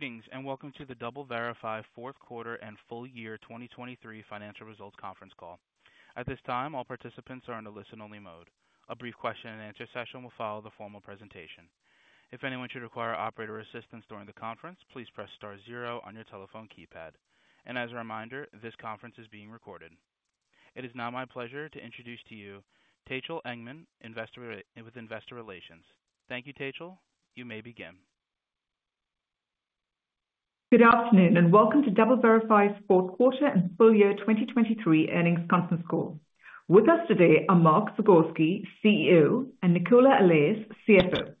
Greetings, and welcome to the DoubleVerify fourth quarter and full year 2023 financial results conference call. At this time, all participants are in a listen-only mode. A brief question and answer session will follow the formal presentation. If anyone should require operator assistance during the conference, please press star zero on your telephone keypad. As a reminder, this conference is being recorded. It is now my pleasure to introduce to you Tejal Engman, Investor Relations. Thank you, Tejal. You may begin. Good afternoon, and welcome to DoubleVerify's fourth quarter and full year 2023 earnings conference call. With us today are Mark Zagorski, CEO, and Nicola Allais, CFO.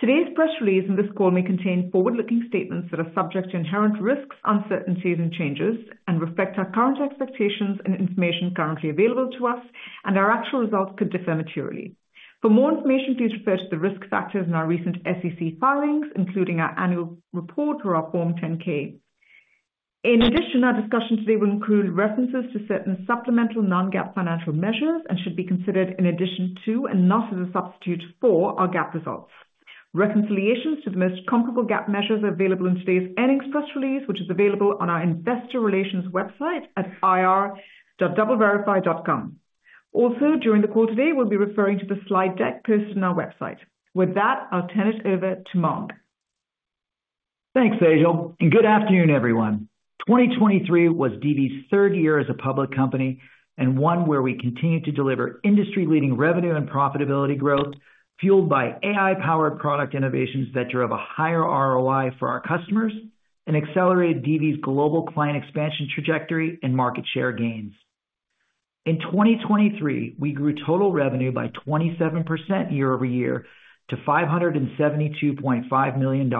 Today's press release and this call may contain forward-looking statements that are subject to inherent risks, uncertainties and changes, and reflect our current expectations and information currently available to us, and our actual results could differ materially. For more information, please refer to the risk factors in our recent SEC filings, including our annual report or our Form 10-K. In addition, our discussion today will include references to certain supplemental non-GAAP financial measures and should be considered in addition to, and not as a substitute for, our GAAP results. Reconciliations to the most comparable GAAP measures are available in today's earnings press release, which is available on our investor relations website at ir.doubleverify.com. Also, during the call today, we'll be referring to the slide deck posted on our website. With that, I'll turn it over to Mark. Thanks, Tejal, and good afternoon, everyone. 2023 was DV's third year as a public company and one where we continued to deliver industry-leading revenue and profitability growth, fueled by AI-powered product innovations that drove a higher ROI for our customers and accelerated DV's global client expansion trajectory and market share gains. In 2023, we grew total revenue by 27% year-over-year to $572.5 million,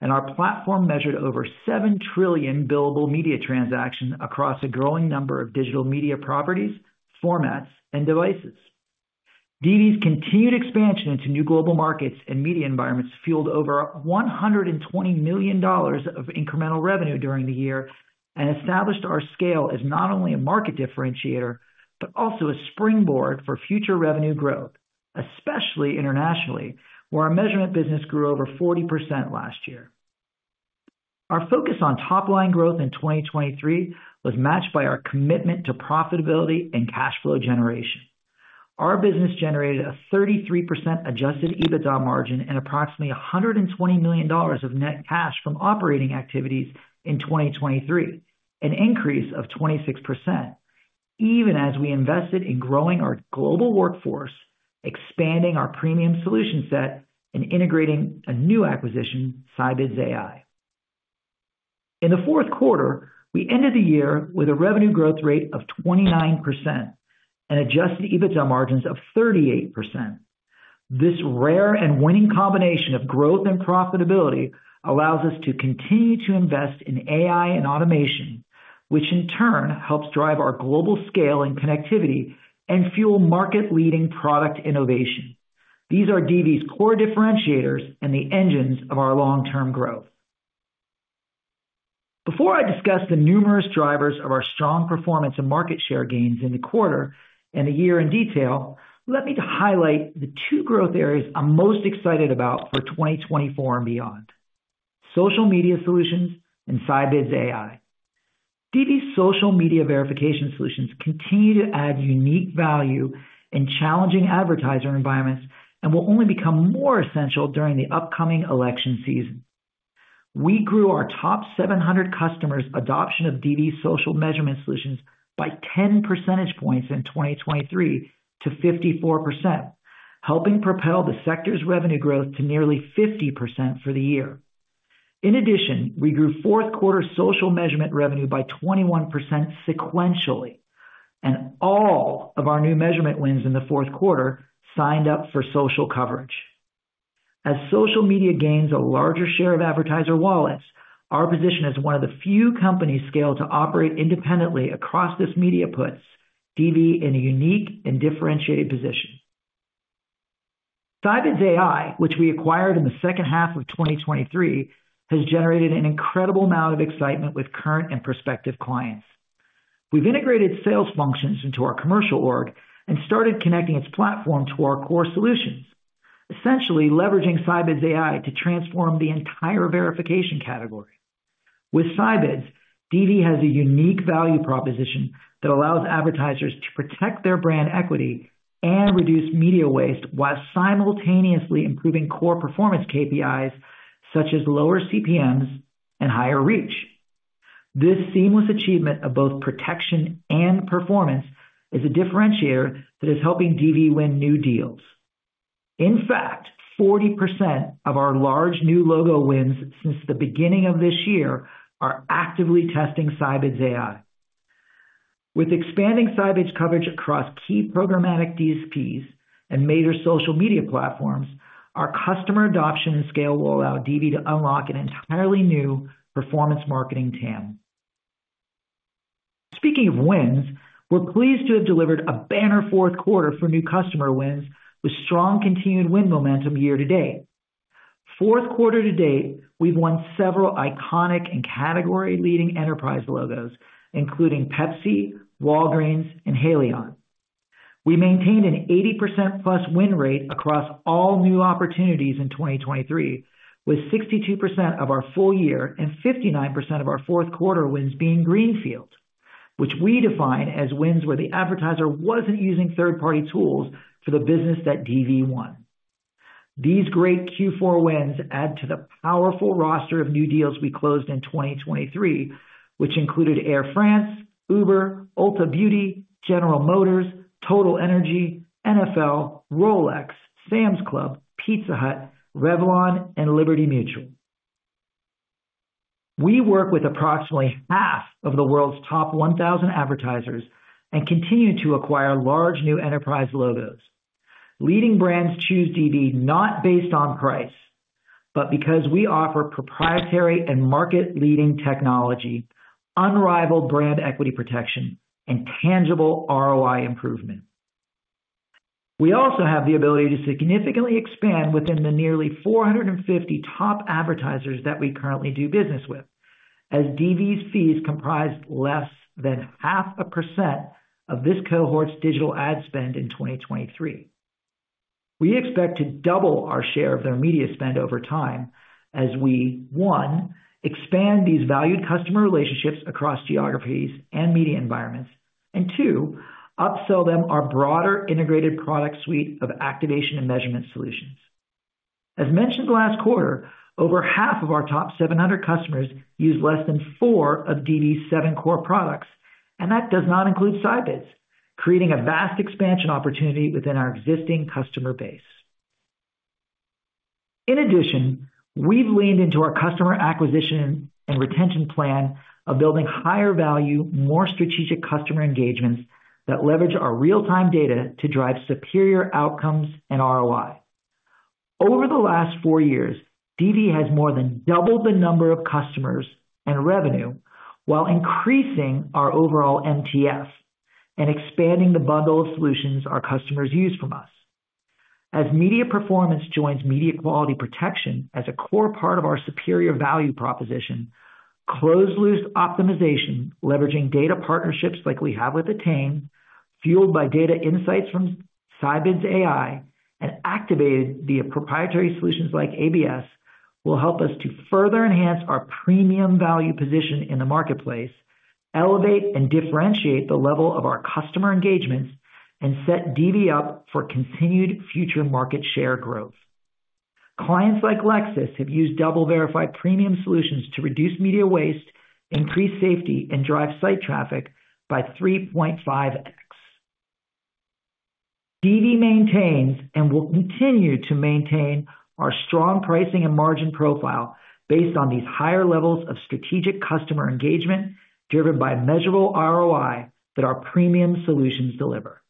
and our platform measured over 7 trillion billable media transactions across a growing number of digital media properties, formats, and devices. DV's continued expansion into new global markets and media environments fueled over $120 million of incremental revenue during the year, and established our scale as not only a market differentiator, but also a springboard for future revenue growth, especially internationally, where our measurement business grew over 40% last year. Our focus on top-line growth in 2023 was matched by our commitment to profitability and cash flow generation. Our business generated a 33% adjusted EBITDA margin and approximately $120 million of net cash from operating activities in 2023, an increase of 26%, even as we invested in growing our global workforce, expanding our premium solution set, and integrating a new acquisition, Scibids AI. In the fourth quarter, we ended the year with a revenue growth rate of 29% and adjusted EBITDA margins of 38%. This rare and winning combination of growth and profitability allows us to continue to invest in AI and automation, which in turn helps drive our global scale and connectivity and fuel market-leading product innovation. These are DV's core differentiators and the engines of our long-term growth. Before I discuss the numerous drivers of our strong performance and market share gains in the quarter and the year in detail, let me highlight the two growth areas I'm most excited about for 2024 and beyond: social media solutions and Scibids AI. DV's social media verification solutions continue to add unique value in challenging advertiser environments and will only become more essential during the upcoming election season. We grew our top 700 customers' adoption of DV's social measurement solutions by 10 percentage points in 2023 to 54%, helping propel the sector's revenue growth to nearly 50% for the year. In addition, we grew fourth quarter social measurement revenue by 21% sequentially, and all of our new measurement wins in the fourth quarter signed up for social coverage. As social media gains a larger share of advertiser wallets, our position as one of the few companies scaled to operate independently across this media puts DV in a unique and differentiated position. Scibids AI, which we acquired in the second half of 2023, has generated an incredible amount of excitement with current and prospective clients. We've integrated sales functions into our commercial org and started connecting its platform to our core solutions, essentially leveraging Scibids AI to transform the entire verification category. With Scibids, DV has a unique value proposition that allows advertisers to protect their brand equity and reduce media waste while simultaneously improving core performance KPIs, such as lower CPMs and higher reach. This seamless achievement of both protection and performance is a differentiator that is helping DV win new deals. In fact, 40% of our large new logo wins since the beginning of this year are actively testing Scibids AI. With expanding Scibids coverage across key programmatic DSPs and major social media platforms, our customer adoption and scale will allow DV to unlock an entirely new performance marketing TAM. Speaking of wins, we're pleased to have delivered a banner fourth quarter for new customer wins, with strong continued win momentum year to date. Fourth quarter to date, we've won several iconic and category-leading enterprise logos, including Pepsi, Walgreens, and Haleon. We maintained an 80%+ win rate across all new opportunities in 2023, with 62% of our full year and 59% of our fourth quarter wins being greenfield, which we define as wins where the advertiser wasn't using third-party tools for the business that DV won. These great Q4 wins add to the powerful roster of new deals we closed in 2023, which included Air France, Uber, Ulta Beauty, General Motors, TotalEnergies, NFL, Rolex, Sam's Club, Pizza Hut, Revlon, and Liberty Mutual. We work with approximately half of the world's top 1,000 advertisers and continue to acquire large new enterprise logos. Leading brands choose DV not based on price, but because we offer proprietary and market-leading technology, unrivaled brand equity protection, and tangible ROI improvement. We also have the ability to significantly expand within the nearly 450 top advertisers that we currently do business with, as DV's fees comprise less than 0.5% of this cohort's digital ad spend in 2023. We expect to double our share of their media spend over time as we, one, expand these valued customer relationships across geographies and media environments, and two, upsell them our broader integrated product suite of activation and measurement solutions. As mentioned last quarter, over half of our top 700 customers use less than four of DV's seven core products, and that does not include Scibids, creating a vast expansion opportunity within our existing customer base. In addition, we've leaned into our customer acquisition and retention plan of building higher value, more strategic customer engagements that leverage our real-time data to drive superior outcomes and ROI. Over the last four years, DV has more than doubled the number of customers and revenue while increasing our overall MTF and expanding the bundle of solutions our customers use from us. As media performance joins media quality protection as a core part of our superior value proposition, closed loop optimization, leveraging data partnerships like we have with Attain, fueled by data insights from Scibids AI, and activated via proprietary solutions like ABS, will help us to further enhance our premium value position in the marketplace, elevate and differentiate the level of our customer engagements, and set DV up for continued future market share growth. Clients like Lexus have used DoubleVerify premium solutions to reduce media waste, increase safety, and drive site traffic by 3.5x. DV maintains and will continue to maintain our strong pricing and margin profile based on these higher levels of strategic customer engagement, driven by measurable ROI that our premium solutions deliver.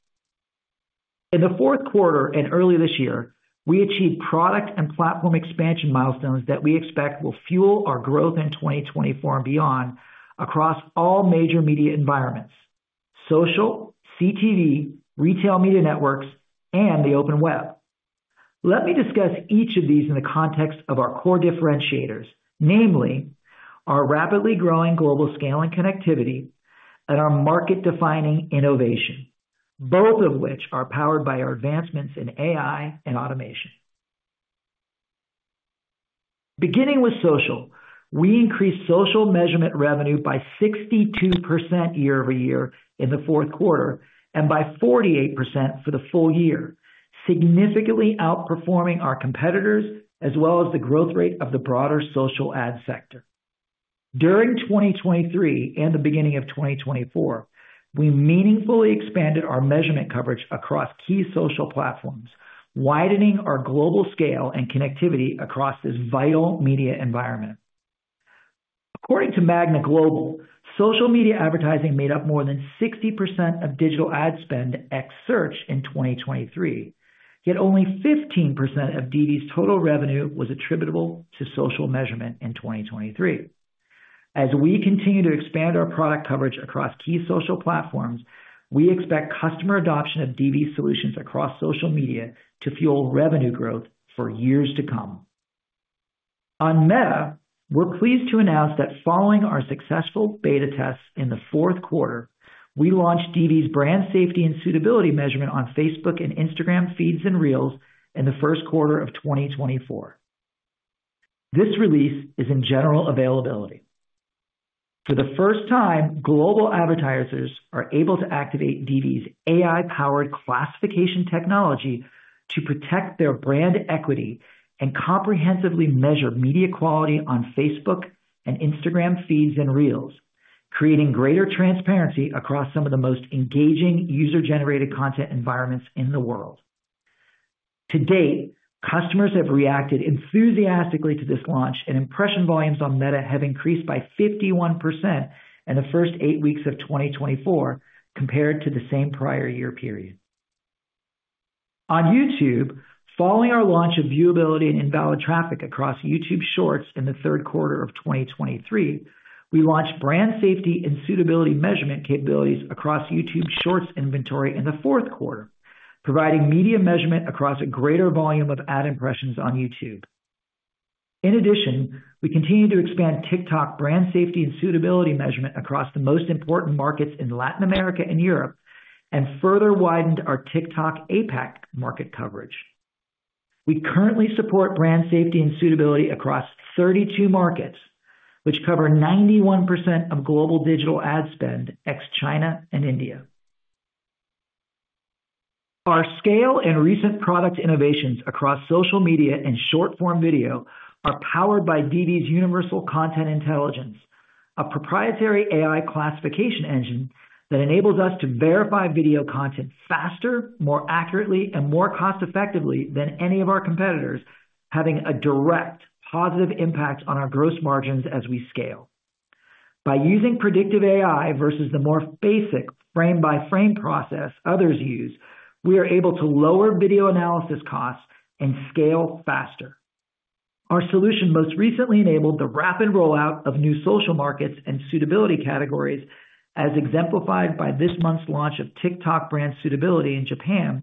In the fourth quarter and early this year, we achieved product and platform expansion milestones that we expect will fuel our growth in 2024 and beyond across all major media environments: social, CTV, retail media networks, and the open web. Let me discuss each of these in the context of our core differentiators, namely, our rapidly growing global scale and connectivity and our market-defining innovation, both of which are powered by our advancements in AI and automation. Beginning with social, we increased social measurement revenue by 62% year-over-year in the fourth quarter and by 48% for the full year, significantly outperforming our competitors, as well as the growth rate of the broader social ad sector. During 2023 and the beginning of 2024, we meaningfully expanded our measurement coverage across key social platforms, widening our global scale and connectivity across this vital media environment. According to MAGNA Global, social media advertising made up more than 60% of digital ad spend ex search in 2023, yet only 15% of DV's total revenue was attributable to social measurement in 2023. As we continue to expand our product coverage across key social platforms, we expect customer adoption of DV solutions across social media to fuel revenue growth for years to come. On Meta, we're pleased to announce that following our successful beta tests in the fourth quarter, we launched DV's brand safety and suitability measurement on Facebook and Instagram feeds and Reels in the first quarter of 2024. This release is in general availability. For the first time, global advertisers are able to activate DV's AI-powered classification technology to protect their brand equity and comprehensively measure media quality on Facebook and Instagram feeds and Reels, creating greater transparency across some of the most engaging user-generated content environments in the world. To date, customers have reacted enthusiastically to this launch, and impression volumes on Meta have increased by 51% in the first eight weeks of 2024 compared to the same prior year period. On YouTube, following our launch of viewability and invalid traffic across YouTube Shorts in the third quarter of 2023, we launched brand safety and suitability measurement capabilities across YouTube Shorts inventory in the fourth quarter, providing media measurement across a greater volume of ad impressions on YouTube. In addition, we continue to expand TikTok brand safety and suitability measurement across the most important markets in Latin America and Europe, and further widened our TikTok APAC market coverage. We currently support brand safety and suitability across 32 markets, which cover 91% of global digital ad spend, ex China and India. Our scale and recent product innovations across social media and short-form video are powered by DV's Universal Content Intelligence, a proprietary AI classification engine that enables us to verify video content faster, more accurately, and more cost-effectively than any of our competitors, having a direct positive impact on our gross margins as we scale. By using predictive AI versus the more basic frame-by-frame process others use, we are able to lower video analysis costs and scale faster. Our solution most recently enabled the rapid rollout of new social markets and suitability categories, as exemplified by this month's launch of TikTok brand suitability in Japan,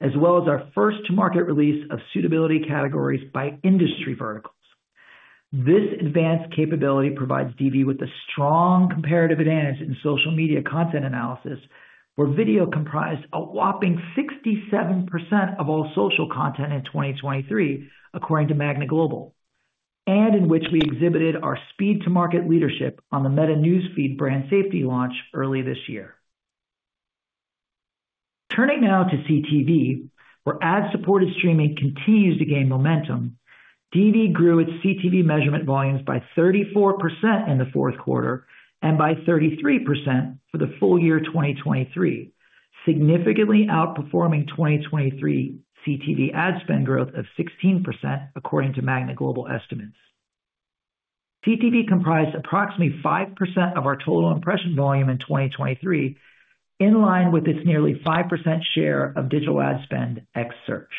as well as our first-to-market release of suitability categories by industry verticals. This advanced capability provides DV with a strong comparative advantage in social media content analysis, where video comprised a whopping 67% of all social content in 2023, according to MAGNA Global, and in which we exhibited our speed-to-market leadership on the Meta News Feed brand safety launch early this year. Turning now to CTV, where ad-supported streaming continues to gain momentum. DV grew its CTV measurement volumes by 34% in the fourth quarter and by 33% for the full year 2023, significantly outperforming 2023 CTV ad spend growth of 16%, according to MAGNA Global estimates. CTV comprised approximately 5% of our total impression volume in 2023, in line with its nearly 5% share of digital ad spend ex search.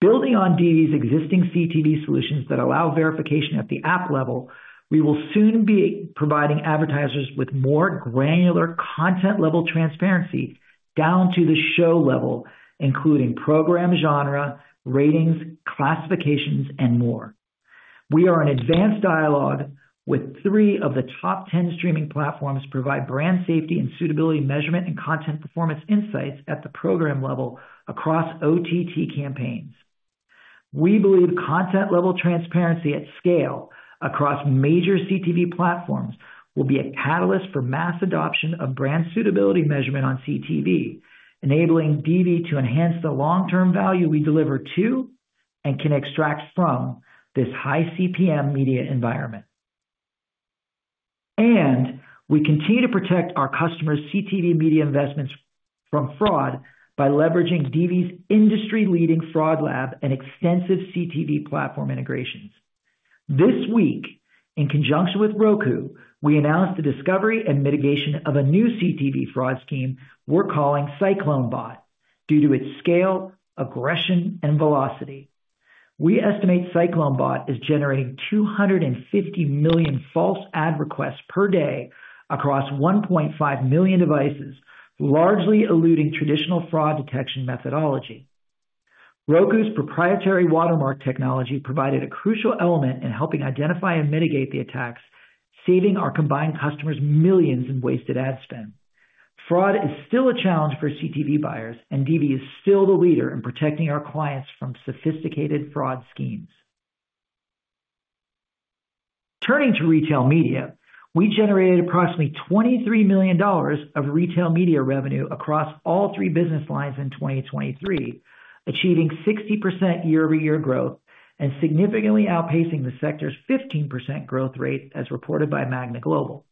Building on DV's existing CTV solutions that allow verification at the app level, we will soon be providing advertisers with more granular content-level transparency down to the show level, including program genre, ratings, classifications, and more. We are in advanced dialogue with three of the top ten streaming platforms to provide brand safety and suitability measurement and content performance insights at the program level across OTT campaigns. We believe content-level transparency at scale across major CTV platforms will be a catalyst for mass adoption of brand suitability measurement on CTV, enabling DV to enhance the long-term value we deliver to and can extract from this high CPM media environment. We continue to protect our customers' CTV media investments from fraud by leveraging DV's industry-leading fraud lab and extensive CTV platform integrations. This week, in conjunction with Roku, we announced the discovery and mitigation of a new CTV fraud scheme we're calling CycloneBot, due to its scale, aggression, and velocity. We estimate CycloneBot is generating 250 million false ad requests per day across 1.5 million devices, largely eluding traditional fraud detection methodology. Roku's proprietary watermark technology provided a crucial element in helping identify and mitigate the attacks, saving our combined customers millions in wasted ad spend. Fraud is still a challenge for CTV buyers, and DV is still the leader in protecting our clients from sophisticated fraud schemes. Turning to retail media, we generated approximately $23 million of retail media revenue across all three business lines in 2023, achieving 60% year-over-year growth and significantly outpacing the sector's 15% growth rate, as reported by MAGNA Global.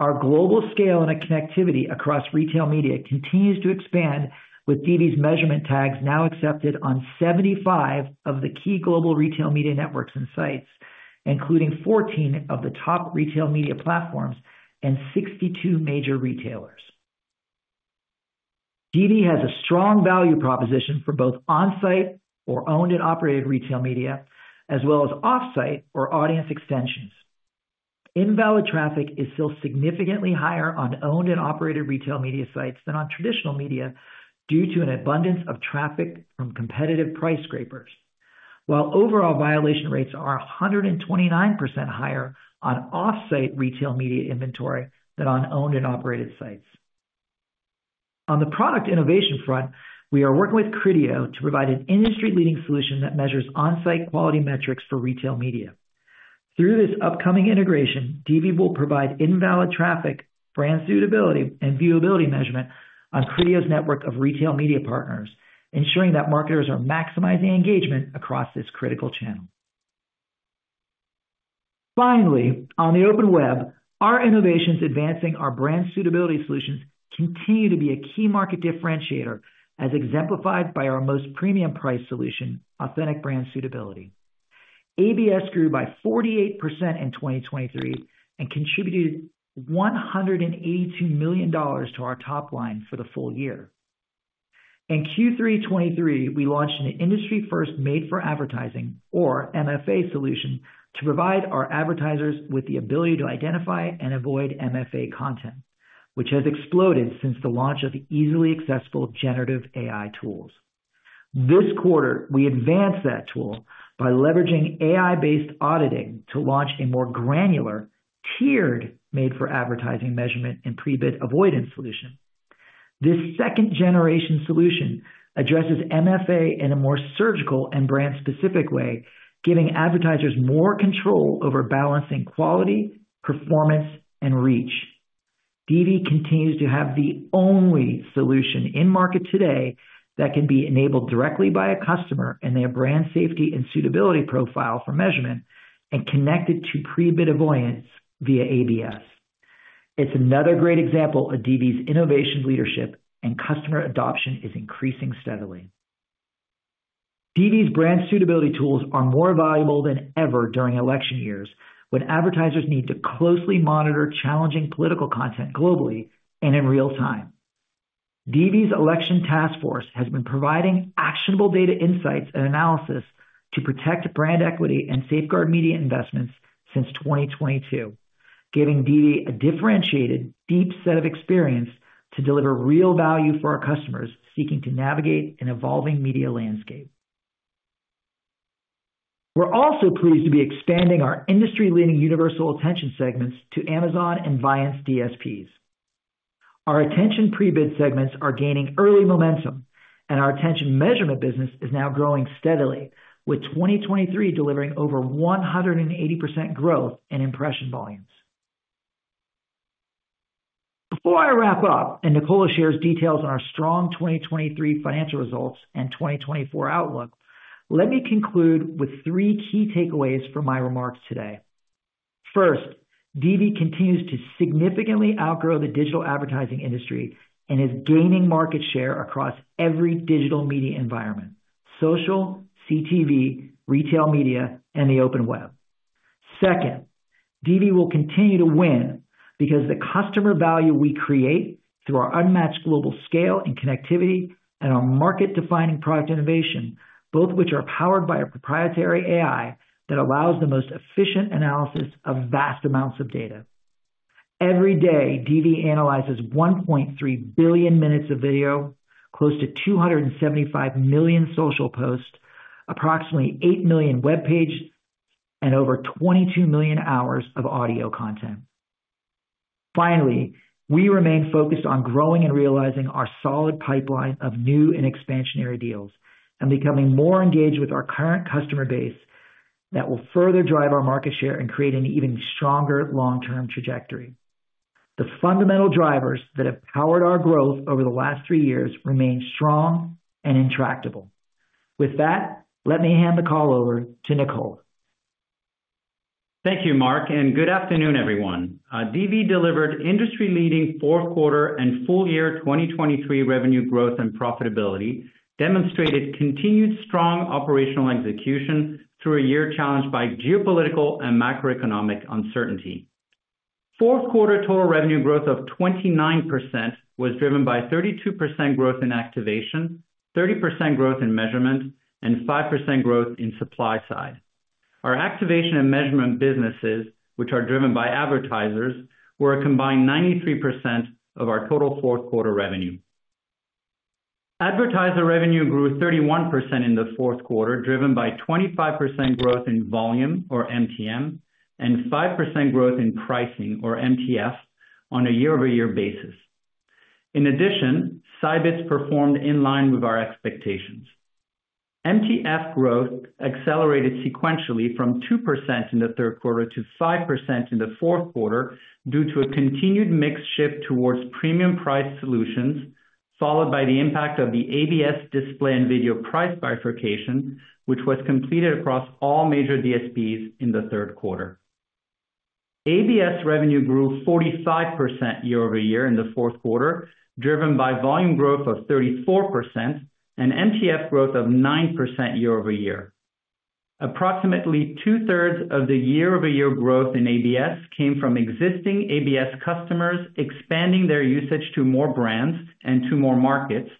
Our global scale and connectivity across retail media continues to expand, with DV's measurement tags now accepted on 75 of the key global retail media networks and sites, including 14 of the top retail media platforms and 62 major retailers. DV has a strong value proposition for both on-site or owned and operated retail media, as well as off-site or audience extensions. Invalid traffic is still significantly higher on owned and operated retail media sites than on traditional media, due to an abundance of traffic from competitive price scrapers, while overall violation rates are 129% higher on off-site retail media inventory than on owned and operated sites. On the product innovation front, we are working with Criteo to provide an industry-leading solution that measures on-site quality metrics for retail media. Through this upcoming integration, DV will provide invalid traffic, brand suitability, and viewability measurement on Criteo's network of retail media partners, ensuring that marketers are maximizing engagement across this critical channel. Finally, on the open web, our innovations advancing our brand suitability solutions continue to be a key market differentiator, as exemplified by our most premium price solution, Authentic Brand Suitability. ABS grew by 48% in 2023 and contributed $182 million to our top line for the full year. In Q3 2023, we launched an industry-first Made for Advertising, or MFA solution, to provide our advertisers with the ability to identify and avoid MFA content, which has exploded since the launch of the easily accessible generative AI tools. This quarter, we advanced that tool by leveraging AI-based auditing to launch a more granular, tiered Made for Advertising measurement and pre-bid avoidance solution. This second generation solution addresses MFA in a more surgical and brand-specific way, giving advertisers more control over balancing quality, performance, and reach. DV continues to have the only solution in market today that can be enabled directly by a customer and their brand safety and suitability profile for measurement, and connected to pre-bid avoidance via ABS. It's another great example of DV's innovation leadership, and customer adoption is increasing steadily. DV's brand suitability tools are more valuable than ever during election years, when advertisers need to closely monitor challenging political content globally and in real time. DV's election task force has been providing actionable data, insights, and analysis to protect brand equity and safeguard media investments since 2022, giving DV a differentiated, deep set of experience to deliver real value for our customers seeking to navigate an evolving media landscape. We're also pleased to be expanding our industry-leading universal attention segments to Amazon and Viant DSPs. Our attention pre-bid segments are gaining early momentum, and our attention measurement business is now growing steadily, with 2023 delivering over 180% growth in impression volumes. Before I wrap up, and Nicola Allais shares details on our strong 2023 financial results and 2024 outlook, let me conclude with three key takeaways from my remarks today. First, DV continues to significantly outgrow the digital advertising industry and is gaining market share across every digital media environment: social, CTV, retail media, and the open web. Second, DV will continue to win because the customer value we create through our unmatched global scale and connectivity and our market-defining product innovation, both of which are powered by our proprietary AI, that allows the most efficient analysis of vast amounts of data. Every day, DV analyzes 1.3 billion minutes of video, close to 275 million social posts, approximately 8 million web pages, and over 22 million hours of audio content. Finally, we remain focused on growing and realizing our solid pipeline of new and expansionary deals and becoming more engaged with our current customer base that will further drive our market share and create an even stronger long-term trajectory. The fundamental drivers that have powered our growth over the last three years remain strong and intractable. With that, let me hand the call over to Nicola. Thank you, Mark, and good afternoon, everyone. DV delivered industry-leading fourth quarter and full year 2023 revenue growth and profitability, demonstrated continued strong operational execution through a year challenged by geopolitical and macroeconomic uncertainty. Fourth quarter total revenue growth of 29% was driven by 32% growth in activation, 30% growth in measurement, and 5% growth in supply side. Our activation and measurement businesses, which are driven by advertisers, were a combined 93% of our total fourth quarter revenue. Advertiser revenue grew 31% in the fourth quarter, driven by 25% growth in volume, or MTM, and 5% growth in pricing, or MTF, on a year-over-year basis. In addition, Scibids performed in line with our expectations. MTF growth accelerated sequentially from 2% in the third quarter to 5% in the fourth quarter due to a continued mix shift towards premium price solutions, followed by the impact of the ABS display and video price bifurcation, which was completed across all major DSPs in the third quarter. ABS revenue grew 45% year-over-year in the fourth quarter, driven by volume growth of 34% and MTF growth of 9% year-over-year. Approximately two-thirds of the year-over-year growth in ABS came from existing ABS customers expanding their usage to more brands and to more markets,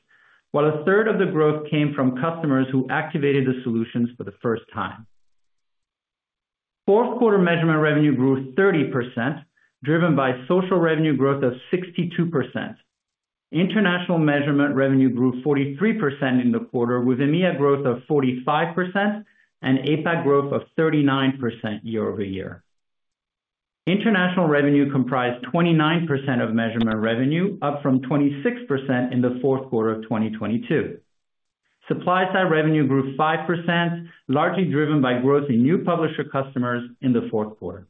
while a third of the growth came from customers who activated the solutions for the first time. Fourth quarter measurement revenue grew 30%, driven by social revenue growth of 62%. International measurement revenue grew 43% in the quarter, with EMEA growth of 45% and APAC growth of 39% year-over-year. International revenue comprised 29% of measurement revenue, up from 26% in the fourth quarter of 2022. Supply side revenue grew 5%, largely driven by growth in new publisher customers in the fourth quarter.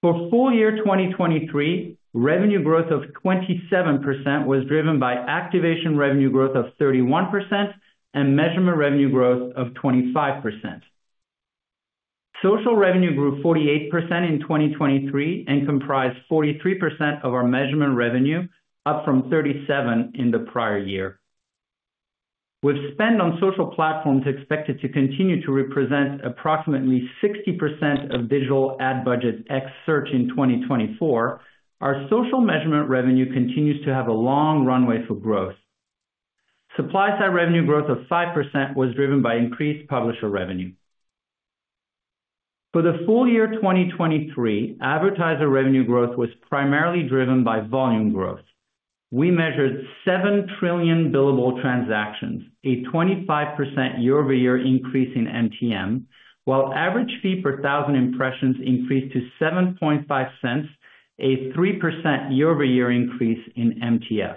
For full year 2023, revenue growth of 27% was driven by activation revenue growth of 31% and measurement revenue growth of 25%. Social revenue grew 48% in 2023, and comprised 43% of our measurement revenue, up from 37% in the prior year. With spend on social platforms expected to continue to represent approximately 60% of digital ad budget ex search in 2024, our social measurement revenue continues to have a long runway for growth. Supply-side revenue growth of 5% was driven by increased publisher revenue. For the full year 2023, advertiser revenue growth was primarily driven by volume growth. We measured 7 trillion billable transactions, a 25% year-over-year increase in MTM, while average fee per thousand impressions increased to $0.075, a 3% year-over-year increase in MTF.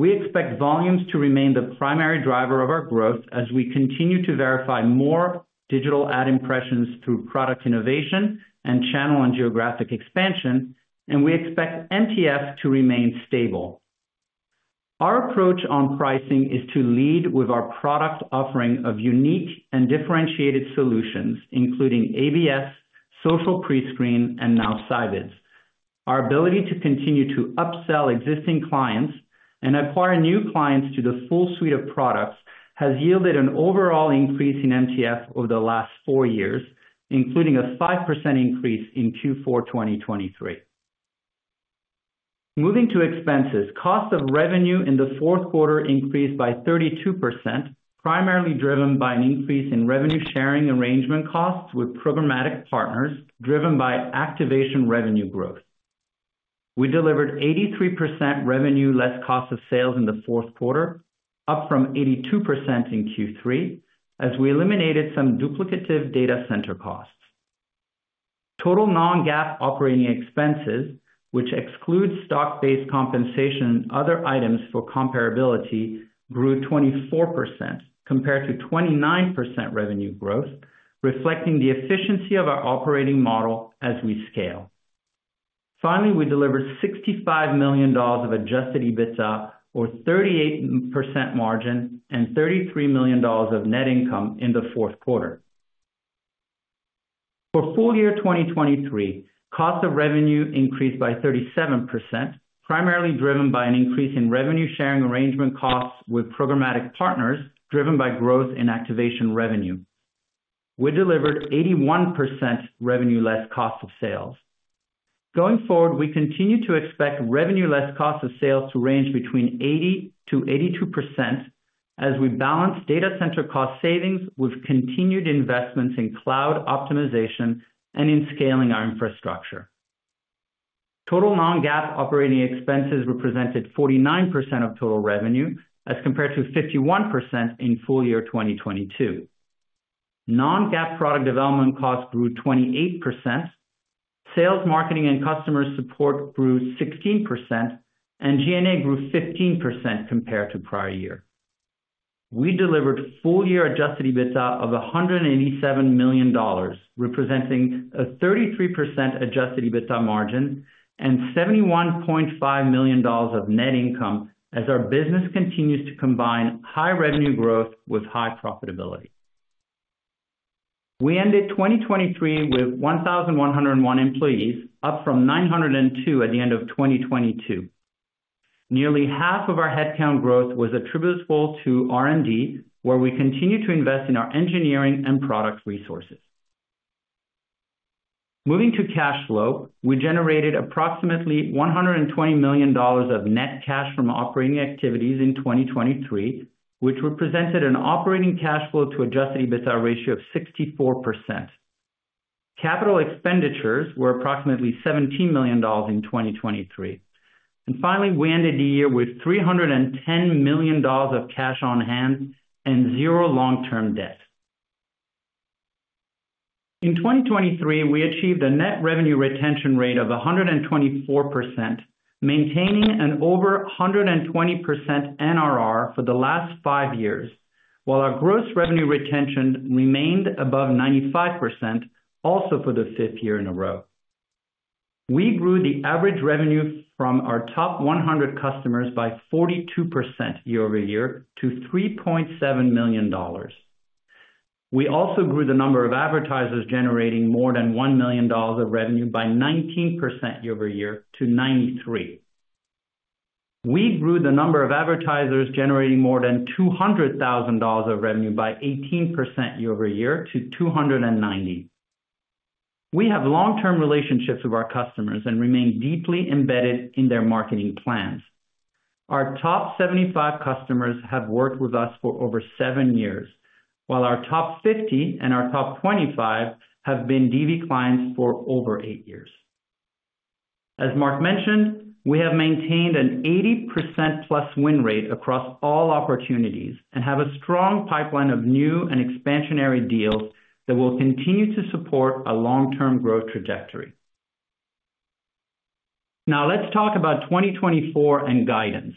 We expect volumes to remain the primary driver of our growth as we continue to verify more digital ad impressions through product innovation and channel and geographic expansion, and we expect MTF to remain stable. Our approach on pricing is to lead with our product offering of unique and differentiated solutions, including ABS, Social Pre-Screen, and now Scibids. Our ability to continue to upsell existing clients and acquire new clients to the full suite of products, has yielded an overall increase in MTF over the last 4 years, including a 5% increase in Q4 2023. Moving to expenses, cost of revenue in the fourth quarter increased by 32%, primarily driven by an increase in revenue sharing arrangement costs with programmatic partners, driven by activation revenue growth. We delivered 83% revenue, less cost of sales in the fourth quarter, up from 82% in Q3, as we eliminated some duplicative data center costs. Total non-GAAP operating expenses, which excludes stock-based compensation and other items for comparability, grew 24% compared to 29% revenue growth, reflecting the efficiency of our operating model as we scale. Finally, we delivered $65 million of adjusted EBITDA, or 38% margin, and $33 million of net income in the fourth quarter. For full year 2023, cost of revenue increased by 37%, primarily driven by an increase in revenue sharing arrangement costs with programmatic partners, driven by growth in activation revenue. We delivered 81% revenue, less cost of sales. Going forward, we continue to expect revenue less cost of sales to range between 80%-82%, as we balance data center cost savings with continued investments in cloud optimization and in scaling our infrastructure. Total non-GAAP operating expenses represented 49% of total revenue, as compared to 51% in full year 2022. Non-GAAP product development costs grew 28%, sales, marketing and customer support grew 16%, and G&A grew 15% compared to prior year. We delivered full-year adjusted EBITDA of $187 million, representing a 33% adjusted EBITDA margin and $71.5 million of net income, as our business continues to combine high revenue growth with high profitability. We ended 2023 with 1,101 employees, up from 902 at the end of 2022. Nearly half of our headcount growth was attributable to R&D, where we continue to invest in our engineering and product resources. Moving to cash flow, we generated approximately $120 million of net cash from operating activities in 2023, which represented an operating cash flow to adjusted EBITDA ratio of 64%. Capital expenditures were approximately $17 million in 2023. Finally, we ended the year with $310 million of cash on hand and zero long-term debt. In 2023, we achieved a net revenue retention rate of 124%, maintaining an over 120% NRR for the last five years, while our gross revenue retention remained above 95%, also for the fifth year in a row. We grew the average revenue from our top 100 customers by 42% year-over-year to $3.7 million. We also grew the number of advertisers generating more than $1 million of revenue by 19% year-over-year to 93. We grew the number of advertisers generating more than $200,000 of revenue by 18% year-over-year to 290. We have long-term relationships with our customers and remain deeply embedded in their marketing plans. Our top 75 customers have worked with us for over seven years, while our top 50 and our top 25 have been DV clients for over eight years. As Mark mentioned, we have maintained an 80%+ win rate across all opportunities and have a strong pipeline of new and expansionary deals that will continue to support a long-term growth trajectory. Now, let's talk about 2024 and guidance.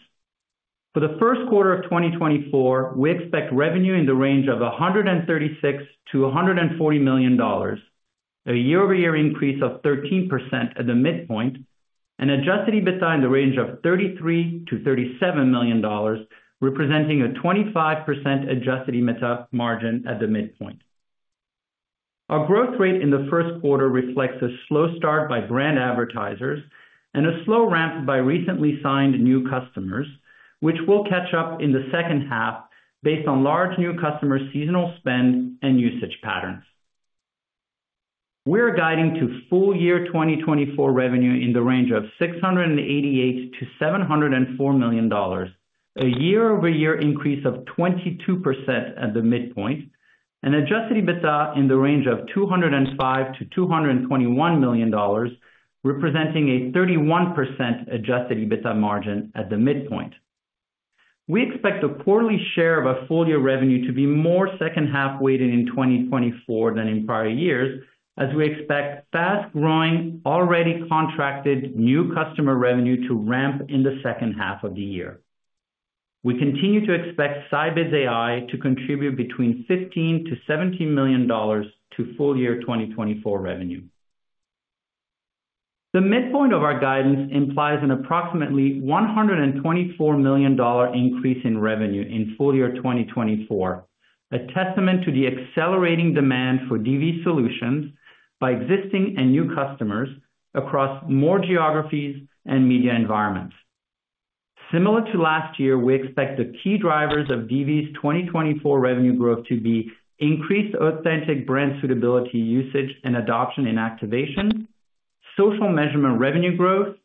For the first quarter of 2024, we expect revenue in the range of $136 million-$140 million, a year-over-year increase of 13% at the midpoint, and adjusted EBITDA in the range of $33 million-$37 million, representing a 25% adjusted EBITDA margin at the midpoint. Our growth rate in the first quarter reflects a slow start by brand advertisers and a slow ramp by recently signed new customers, which will catch up in the second half based on large new customer seasonal spend and usage patterns. We're guiding to full-year 2024 revenue in the range of $688 million-$704 million, a year-over-year increase of 22% at the midpoint, and adjusted EBITDA in the range of $205 million-$221 million, representing a 31% adjusted EBITDA margin at the midpoint. We expect the quarterly share of our full-year revenue to be more second-half weighted in 2024 than in prior years, as we expect fast-growing, already contracted new customer revenue to ramp in the second half of the year. We continue to expect Scibids AI to contribute $15 million-$17 million to full-year 2024 revenue. The midpoint of our guidance implies an approximately $124 million increase in revenue in full-year 2024, a testament to the accelerating demand for DV solutions by existing and new customers across more geographies and media environments. Similar to last year, we expect the key drivers of DV's 2024 revenue growth to be increased Authentic Brand Suitability usage and adoption and activation, social measurement revenue growth,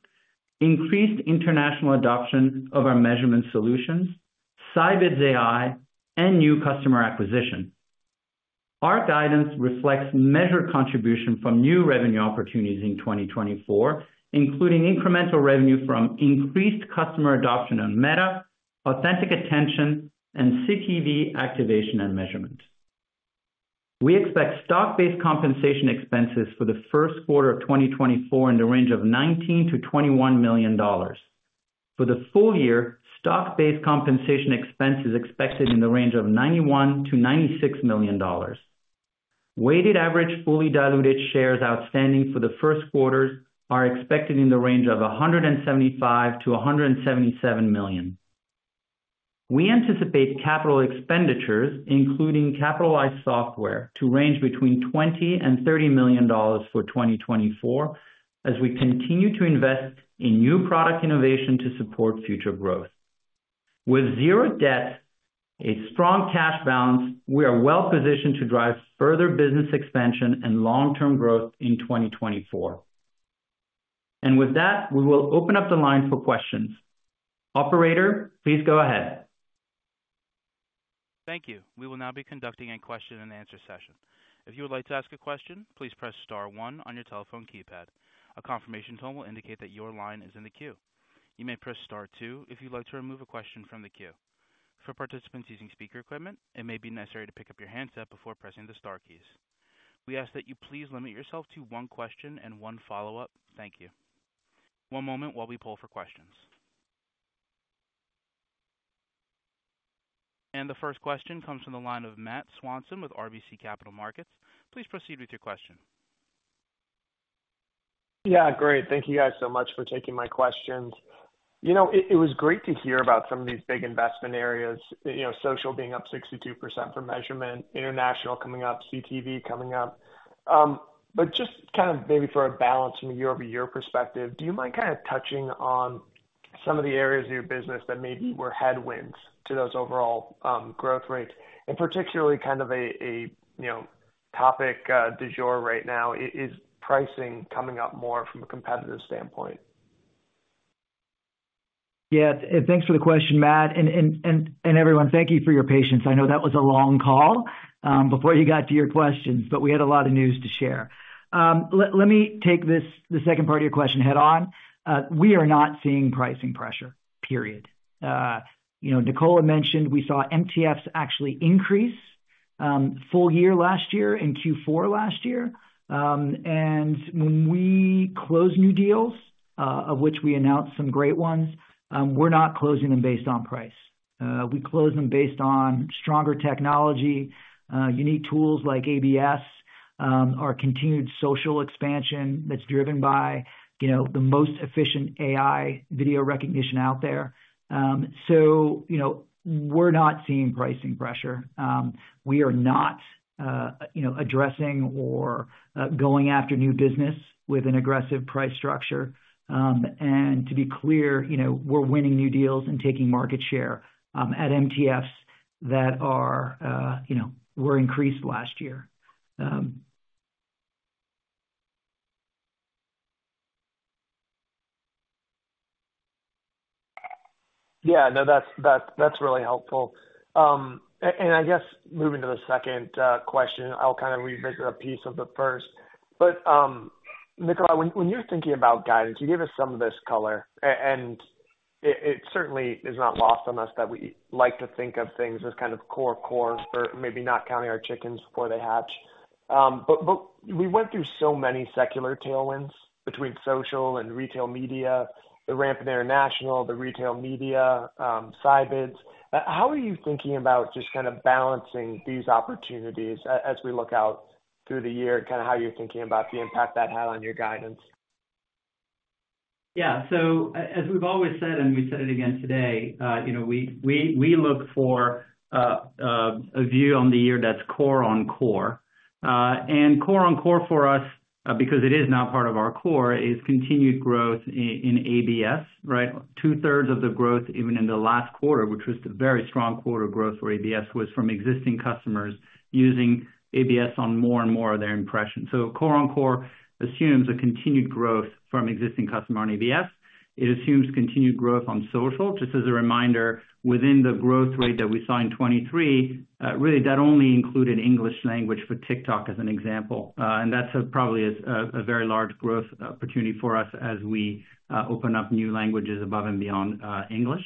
increased international adoption of our measurement solutions, Scibids AI, and new customer acquisition. Our guidance reflects measured contribution from new revenue opportunities in 2024, including incremental revenue from increased customer adoption on Meta, Authentic Attention, and CTV Activation and Measurement. We expect stock-based compensation expenses for the first quarter of 2024 in the range of $19 million-$21 million. For the full year, stock-based compensation expense is expected in the range of $91 million-$96 million. Weighted average fully diluted shares outstanding for the first quarter are expected in the range of 175 million-177 million. We anticipate capital expenditures, including capitalized software, to range between $20 million-$30 million for 2024, as we continue to invest in new product innovation to support future growth. With zero debt, a strong cash balance, we are well positioned to drive further business expansion and long-term growth in 2024. And with that, we will open up the line for questions. Operator, please go ahead. Thank you. We will now be conducting a question-and-answer session. If you would like to ask a question, please press star one on your telephone keypad. A confirmation tone will indicate that your line is in the queue. You may press star two if you'd like to remove a question from the queue. For participants using speaker equipment, it may be necessary to pick up your handset before pressing the star keys. We ask that you please limit yourself to one question and one follow-up. Thank you. One moment while we poll for questions. The first question comes from the line of Matt Swanson with RBC Capital Markets. Please proceed with your question. Yeah, great. Thank you, guys, so much for taking my questions. You know, it, it was great to hear about some of these big investment areas, you know, social being up 62% for measurement, international coming up, CTV coming up. But just kind of maybe for a balance from a year-over-year perspective, do you mind kind of touching on some of the areas of your business that maybe were headwinds to those overall growth rates, and particularly kind of a, you know, topic du jour right now, is, is pricing coming up more from a competitive standpoint? Yeah, thanks for the question, Matt. And everyone, thank you for your patience. I know that was a long call before you got to your questions, but we had a lot of news to share. Let me take this, the second part of your question head on. We are not seeing pricing pressure, period. You know, Nicola mentioned we saw MTFs actually increase full year last year, in Q4 last year. And when we close new deals, of which we announced some great ones, we're not closing them based on price. We close them based on stronger technology, unique tools like ABS, our continued social expansion that's driven by, you know, the most efficient AI video recognition out there. So, you know, we're not seeing pricing pressure. We are not, you know, addressing or going after new business with an aggressive price structure. To be clear, you know, we're winning new deals and taking market share at MTFs that are, you know, were increased last year. Yeah, no, that's really helpful. And I guess moving to the second question, I'll kind of revisit a piece of the first. But, Nicola, when you're thinking about guidance, you gave us some of this color, and it certainly is not lost on us that we like to think of things as kind of core-core, or maybe "not counting our chickens before they hatch". But we went through so many secular tailwinds between social and retail media, the ramp in international, the retail media, Scibids. How are you thinking about just kind of balancing these opportunities as we look out through the year, kind of how you're thinking about the impact that had on your guidance? Yeah. So, as we've always said, and we've said it again today, you know, we look for a view on the year that's core-on-core. And core-on-core for us, because it is now part of our core, is continued growth in ABS, right? Two-thirds of the growth, even in the last quarter, which was a very strong quarter of growth for ABS, was from existing customers using ABS on more and more of their impressions. So core-on-core assumes continued growth from existing customer on ABS. It assumes continued growth on social. Just as a reminder, within the growth rate that we saw in 2023, really, that only included English language for TikTok, as an example. And that's probably a very large growth opportunity for us as we open up new languages above and beyond English.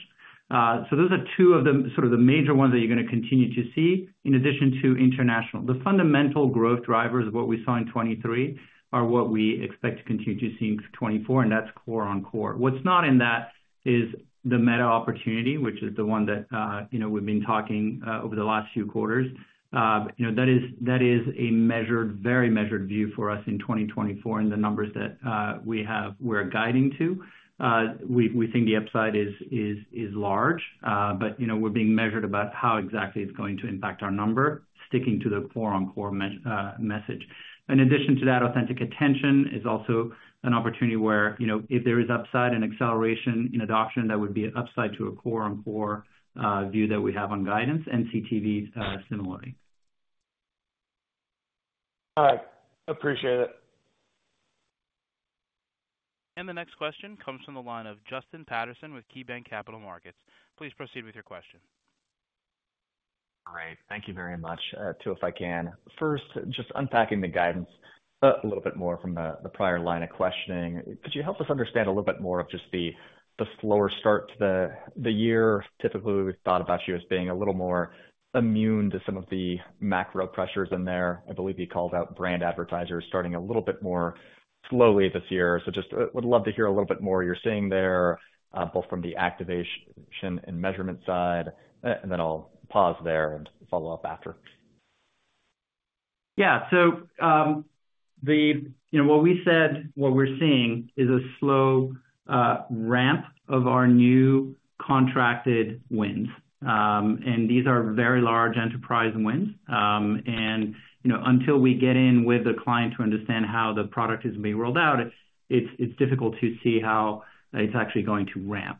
So, those are two of the sort of major ones that you're going to continue to see in addition to international. The fundamental growth drivers of what we saw in 2023 are what we expect to continue to see in 2024, and that's core-on-core. What's not in that is the Meta opportunity, which is the one that, you know, we've been talking over the last few quarters. You know, that is a measured, very measured view for us in 2024, and the numbers that we're guiding to. We think the upside is large, but you know, we're being measured about how exactly it's going to impact our number, sticking to the core-on-core message. In addition to that, Authentic Attention is also an opportunity where, you know, if there is upside and acceleration in adoption, that would be an upside to a core-on-core view that we have on guidance, and CTV similarly. All right. Appreciate it. The next question comes from the line of Justin Patterson with KeyBanc Capital Markets. Please proceed with your question. Great. Thank you very much. Two, if I can. First, just unpacking the guidance a little bit more from the prior line of questioning. Could you help us understand a little bit more of just the slower start to the year? Typically, we've thought about you as being a little more immune to some of the macro pressures in there. I believe you called out brand advertisers starting a little bit more slowly this year. So just would love to hear a little bit more you're seeing there, both from the activation and measurement side, and then I'll pause there and follow up after. Yeah. So, you know, what we said, what we're seeing is a slow ramp of our new contracted wins. And these are very large enterprise wins. And, you know, until we get in with the client to understand how the product is being rolled out, it's difficult to see how it's actually going to ramp.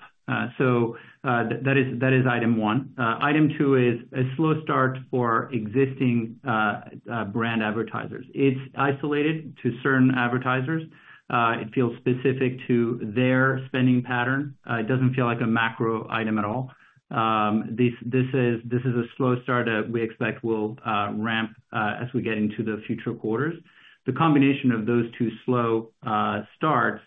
So, that is item one. Item two is a slow start for existing brand advertisers. It's isolated to certain advertisers. It feels specific to their spending pattern. It doesn't feel like a macro item at all. This is a slow start that we expect will ramp as we get into the future quarters. The combination of those two slow starts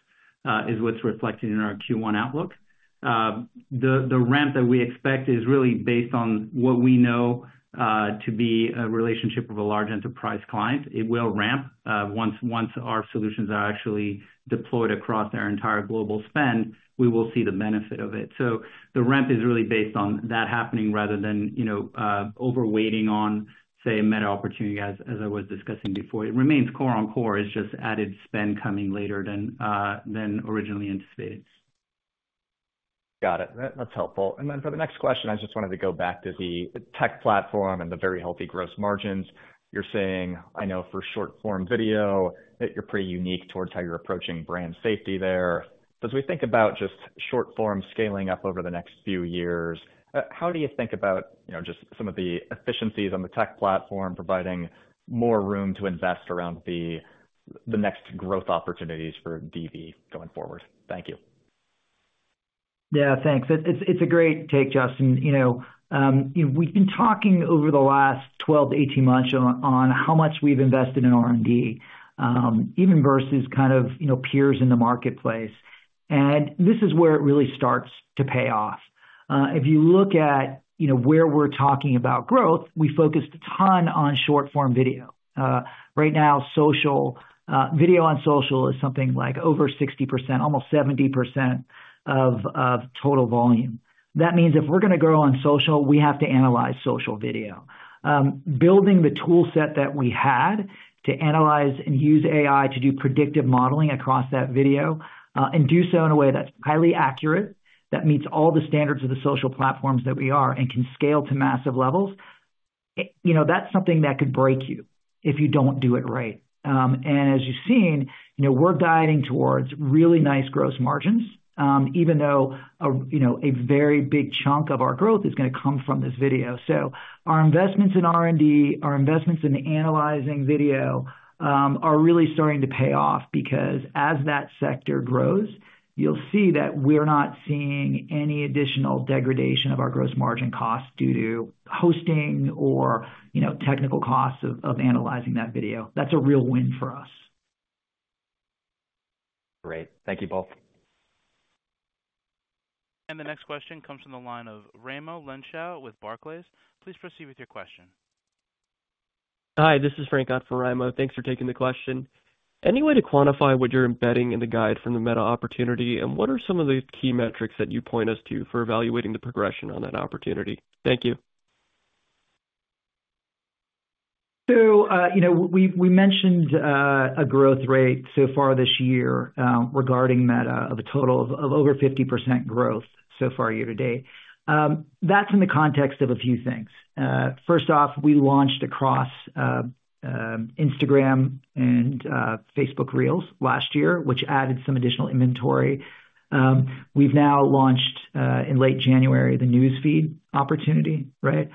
is what's reflected in our Q1 outlook. The ramp that we expect is really based on what we know to be a relationship with a large enterprise client. It will ramp once our solutions are actually deployed across our entire global spend, we will see the benefit of it. So, the ramp is really based on that happening rather than, you know, overweighting on, say, a Meta opportunity, as I was discussing before. It remains core-on-core. It's just added spend coming later than originally anticipated. Got it. That's helpful. And then for the next question, I just wanted to go back to the tech platform and the very healthy gross margins. You're saying, I know for short-form video, that you're pretty unique towards how you're approaching brand safety there. As we think about just short form scaling up over the next few years, how do you think about, you know, just some of the efficiencies on the tech platform, providing more room to invest around the, the next growth opportunities for DV going forward? Thank you. Yeah, thanks. It's, it's a great take, Justin. You know, we've been talking over the last 12-18 months on how much we've invested in R&D, even versus kind of, you know, peers in the marketplace. And this is where it really starts to pay off. If you look at, you know, where we're talking about growth, we focused a ton on short-form video. Right now, social- video on social is something like over 60%, almost 70% of total volume. That means if we're going to grow on social, we have to analyze social video. Building the toolset that we had to analyze and use AI to do predictive modeling across that video, and do so in a way that's highly accurate, that meets all the standards of the social platforms that we are and can scale to massive levels. You know, that's something that could break you if you don't do it right. And as you've seen, you know, we're guiding towards really nice gross margins, even though, you know, a very big chunk of our growth is going to come from this video. So our investments in R&D, our investments in analyzing video, are really starting to pay off, because as that sector grows, you'll see that we're not seeing any additional degradation of our gross margin costs due to hosting or, you know, technical costs of analyzing that video. That's a real win for us. Great. Thank you both. The next question comes from the line of Raimo Lenschow with Barclays. Please proceed with your question. Hi, this is Frank on from Raimo. Thanks for taking the question. Any way to quantify what you're embedding in the guide from the Meta opportunity? And what are some of the key metrics that you'd point us to for evaluating the progression on that opportunity? Thank you. .So, you know, we mentioned a growth rate so far this year regarding Meta of a total of over 50% growth so far year to date. That's in the context of a few things. First off, we launched across Instagram and Facebook Reels last year, which added some additional inventory. We've now launched in late January, the News Feed opportunity, right?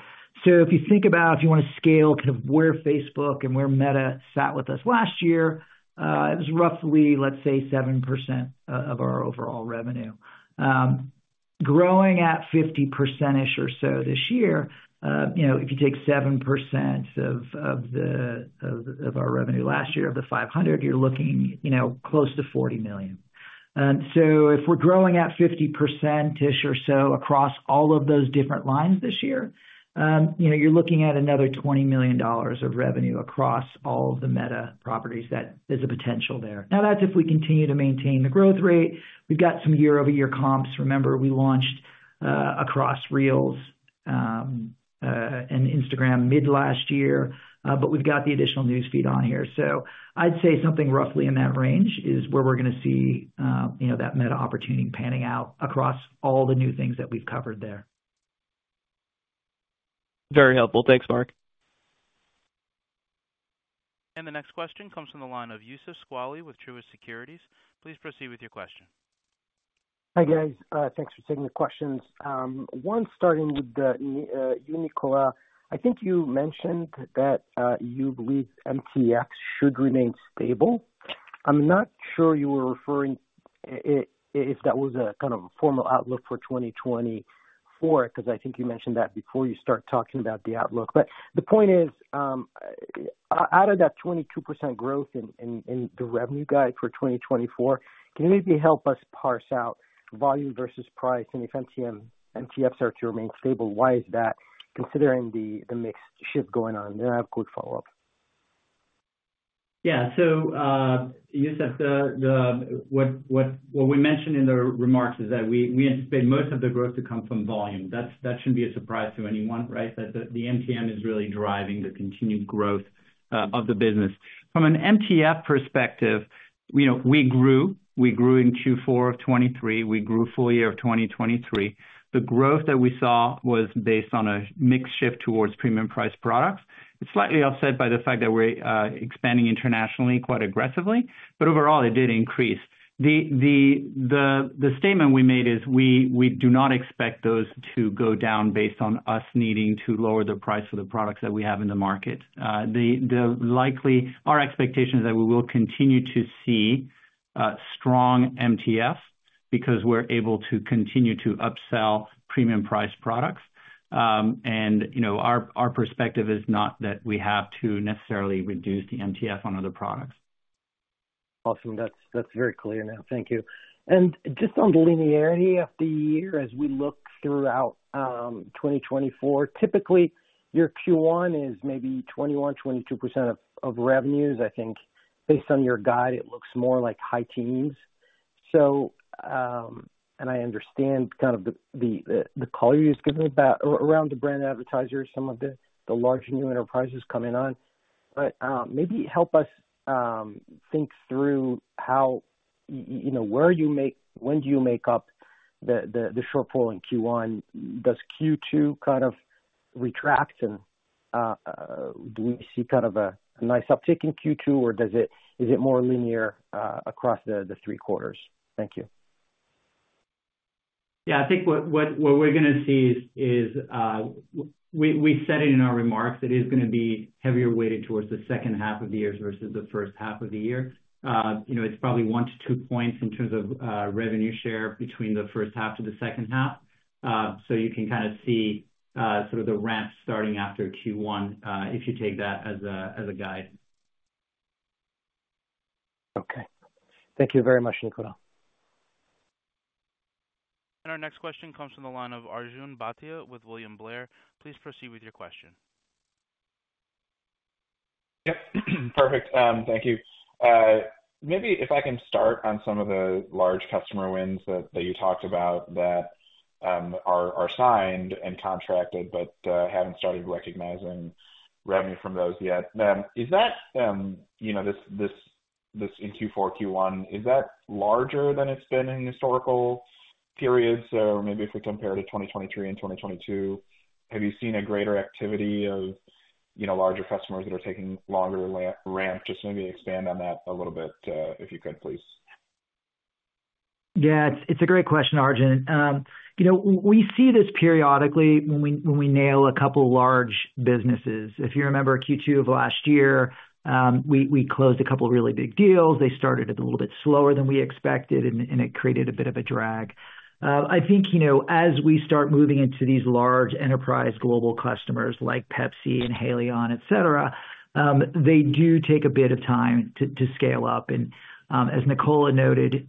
So, if you think about if you want to scale kind of where Facebook and where Meta sat with us last year, it was roughly, let's say, 7% of our overall revenue. Growing at 50%-ish or so this year, you know, if you take 7% of our revenue last year, of the $500 million, you're looking, you know, close to $40 million. So if we're growing at 50%-ish or so across all of those different lines this year, you know, you're looking at another $20 million of revenue across all the Meta properties. That is a potential there. Now, that's if we continue to maintain the growth rate. We've got some year-over-year comps. Remember, we launched across Reels and Instagram mid last year, but we've got the additional News Feed on here. So I'd say something roughly in that range is where we're going to see, you know, that Meta opportunity panning out across all the new things that we've covered there. Very helpful. Thanks, Mark. The next question comes from the line of Youssef Squali with Truist Securities. Please proceed with your question. Hi, guys. Thanks for taking the questions. One, starting with you, Nicola, I think you mentioned that you believe MTF should remain stable. I'm not sure you were referring if that was a kind of formal outlook for 2024, because I think you mentioned that before you start talking about the outlook. But the point is, out of that 22% growth in the revenue guide for 2024, can you maybe help us parse out volume versus price and MTF starts to remain stable, why is that, considering the mix shift going on? And then I have a quick follow-up. Yeah. So, Youssef, what we mentioned in the remarks is that we anticipate most of the growth to come from volume. That shouldn't be a surprise to anyone, right? That the MTM is really driving the continued growth of the business. From an MTF perspective, you know, we grew in Q4 of 2023. We grew full year of 2023. The growth that we saw was based on a mix shift towards premium priced products. It's slightly offset by the fact that we're expanding internationally quite aggressively, but overall, it did increase. The statement we made is we do not expect those to go down based on us needing to lower the price of the products that we have in the market. The likely— Our expectation is that we will continue to see strong MTF because we're able to continue to upsell premium priced products. And, you know, our perspective is not that we have to necessarily reduce the MTF on other products. Awesome. That's very clear now. Thank you. And just on the linearity of the year, as we look throughout, 2024, typically, your Q1 is maybe 21%, 22% of revenues. I think based on your guide, it looks more like high teens. So, and I understand kind of the color you've given about around the brand advertisers, some of the large new enterprises coming on. But maybe help us, think through how, you know, where you make—when do you make up the shortfall in Q1? Does Q2 kind of retract? Do we see kind of a nice uptick in Q2? or does it—is it more linear, across the three quarters? Thank you. Yeah, I think what we're going to see is, we said it in our remarks, it is going to be heavier weighted towards the second half of the year versus the first half of the year. You know, it's probably one to two points in terms of revenue share between the first half to the second half. So you can kind of see sort of the ramp starting after Q1, if you take that as a guide. Okay. Thank you very much, Nicola. Our next question comes from the line of Arjun Bhatia with William Blair. Please proceed with your question. Yep. Perfect. Thank you. Maybe if I can start on some of the large customer wins that you talked about that are signed and contracted but haven't started recognizing revenue from those yet. Is that, you know, this in Q4, Q1. Is that larger than it's been in historical periods? Or maybe if we compare to 2023 and 2022, have you seen a greater activity of, you know, larger customers that are taking longer to ramp? Just maybe expand on that a little bit, if you could, please. Yeah, it's a great question, Arjun. You know, we see this periodically when we nail a couple large businesses. If you remember Q2 of last year, we closed a couple of really big deals. They started a little bit slower than we expected, and it created a bit of a drag. I think, you know, as we start moving into these large enterprise global customers like Pepsi and Haleon, et cetera, they do take a bit of time to scale up. And, as Nicola noted,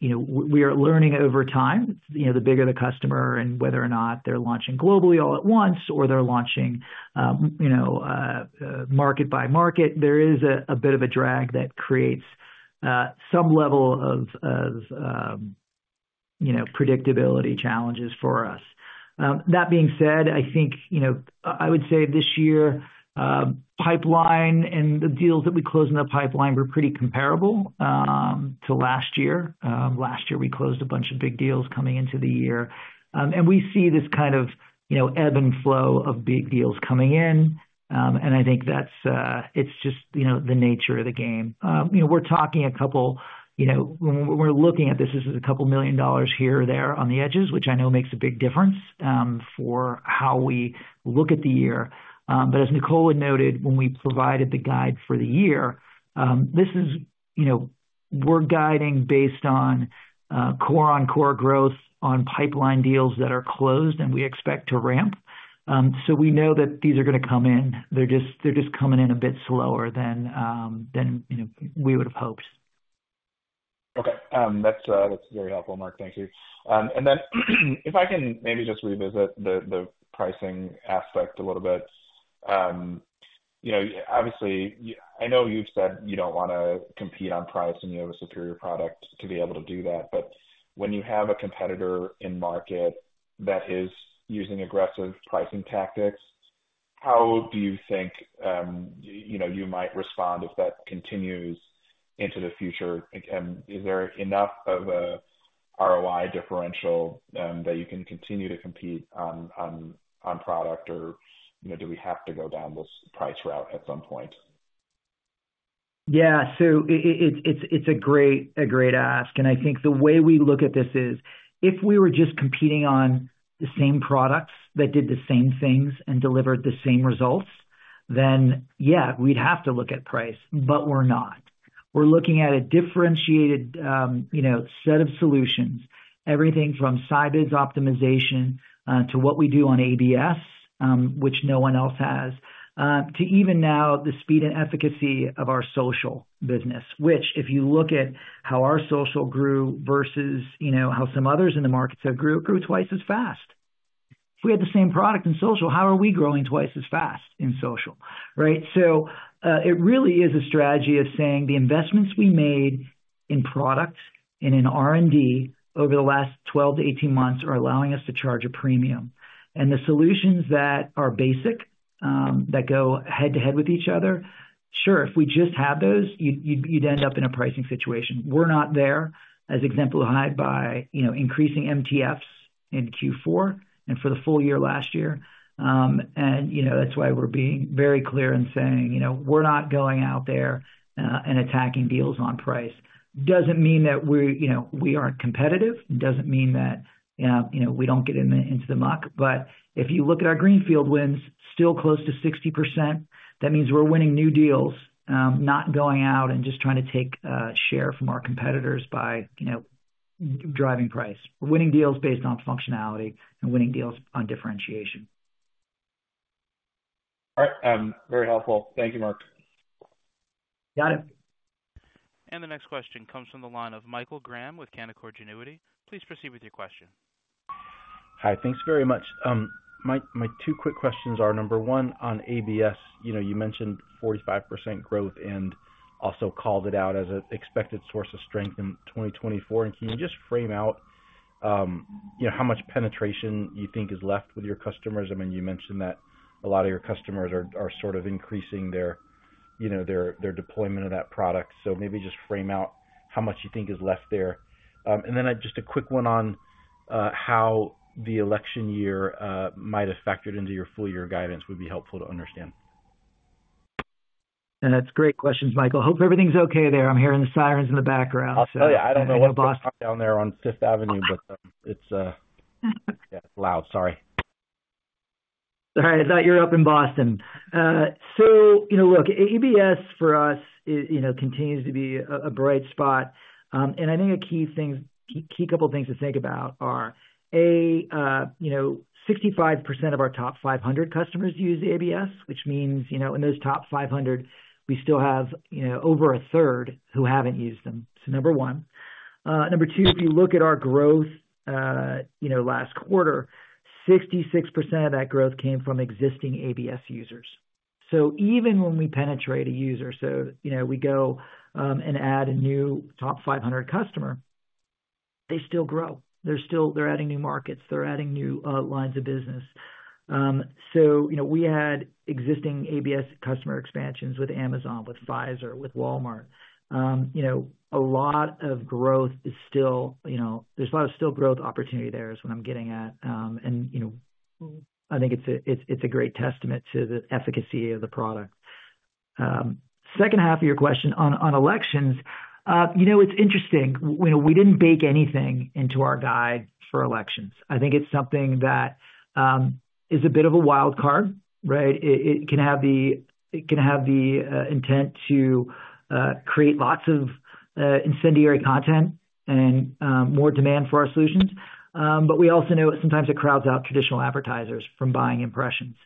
you know, we are learning over time, you know, the bigger the customer and whether or not they're launching globally all at once or they're launching, you know, market by market, there is a bit of a drag that creates some level of, you know, predictability challenges for us. That being said, I think, you know, I would say this year, pipeline and the deals that we closed in the pipeline were pretty comparable to last year. Last year, we closed a bunch of big deals coming into the year. And we see this kind of, you know, ebb and flow of big deals coming in, and I think that's, it's just, you know, the nature of the game. You know, we're talking a couple, you know, when we're looking at this, this is $2 million here or there on the edges, which I know makes a big difference for how we look at the year. But as Nicola noted, when we provided the guide for the year, this is, you know, we're guiding based on core-on-core growth on pipeline deals that are closed and we expect to ramp. So we know that these are going to come in. They're just coming in a bit slower than you know we would have hoped. Okay, that's very helpful, Mark. Thank you. And then, if I can maybe just revisit the pricing aspect a little bit. You know, obviously, I know you've said you don't want to compete on price, and you have a superior product to be able to do that, but when you have a competitor in market that is using aggressive pricing tactics, how do you think, you know, you might respond if that continues into the future? And is there enough of a ROI differential, that you can continue to compete on product or, you know, do we have to go down this price route at some point? Yeah. So, it's a great ask, and I think the way we look at this is, if we were just competing on the same products that did the same things and delivered the same results, then yeah, we'd have to look at price. But we're not. We're looking at a differentiated, you know, set of solutions, everything from Scibids optimization, to what we do on ABS, which no one else has, to even now, the speed and efficacy of our social business, which, if you look at how our social grew versus, you know, how some others in the market have grew, it grew twice as fast. If we had the same product in social, how are we growing twice as fast in social, right? So, it really is a strategy of saying the investments we made in product and in R&D over the last 12-18 months are allowing us to charge a premium. And the solutions that are basic, that go head-to-head with each other, sure, if we just have those, you'd end up in a pricing situation. We're not there, as exemplified by, you know, increasing MTFs in Q4 and for the full year last year. And, you know, that's why we're being very clear in saying, you know, we're not going out there, and attacking deals on price. It doesn't mean that we're, you know, we aren't competitive. It doesn't mean that, you know, we don't get into the muck. But if you look at our Greenfield wins, still close to 60% That means we're winning new deals, not going out and just trying to take share from our competitors by, you know, driving price. We're winning deals based on functionality and winning deals on differentiation. All right. Very helpful. Thank you, Mark. Got it. The next question comes from the line of Michael Graham with Canaccord Genuity. Please proceed with your question. Hi, thanks very much. My two quick questions are: number one, on ABS, you know, you mentioned 45% growth and also called it out as an expected source of strength in 2024. And can you just frame out, you know, how much penetration you think is left with your customers? I mean, you mentioned that a lot of your customers are sort of increasing their, you know, their deployment of that product. So maybe just frame out how much you think is left there. And then just a quick one on how the election year might have factored into your full year guidance would be helpful to understand. That's great questions, Michael. Hope everything's okay there. I'm hearing the sirens in the background. I'll tell you, I don't know what's down there on 5th Avenue, but it's yeah, it's loud. Sorry. All right. I thought you were up in Boston. So, you know, look, ABS for us, it, you know, continues to be a bright spot. And I think a key thing, key couple of things to think about are, A, you know, 65% of our top 500 customers use ABS, which means, you know, in those top 500, we still have, you know, over a third who haven't used them. So, number one. Number two, if you look at our growth, you know, last quarter, 66% of that growth came from existing ABS users. So even when we penetrate a user, so, you know, we go, and add a new top 500 customer, they still grow. They're still, they're adding new markets, they're adding new, lines of business. So, you know, we had existing ABS customer expansions with Amazon, with Pfizer, with Walmart. You know, a lot of growth is still—you know, there's a lot of still growth opportunity there, is what I'm getting at. And, you know, I think it's a great testament to the efficacy of the product. Second half of your question on elections. You know, it's interesting. We didn't bake anything into our guide for elections. I think it's something that is a bit of a wild card, right? It can have the intent to create lots of incendiary content and more demand for our solutions. But we also know sometimes it crowds out traditional advertisers from buying impressions.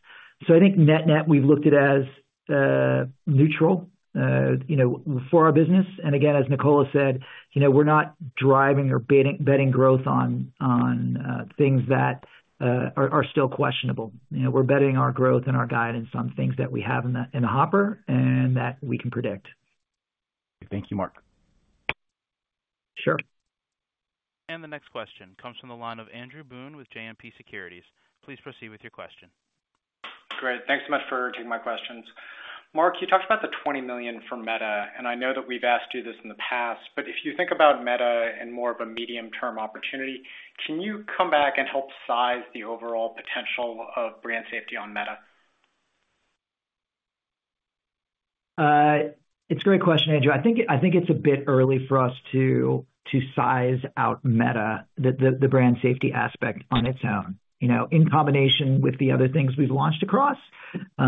So I think net-net, we've looked at it as neutral, you know, for our business. And again, as Nicola said, you know, we're not driving or betting growth on things that are still questionable. You know, we're betting our growth and our guidance on things that we have in the hopper and that we can predict. Thank you, Mark. Sure. The next question comes from the line of Andrew Boone with JMP Securities. Please proceed with your question. Great. Thanks so much for taking my questions. Mark, you talked about the $20 million for Meta, and I know that we've asked you this in the past, but if you think about Meta in more of a medium-term opportunity, can you come back and help size the overall potential of brand safety on Meta? It's a great question, Andrew. I think, I think it's a bit early for us to size out Meta, the brand safety aspect on its own. You know, in combination with the other things we've launched across,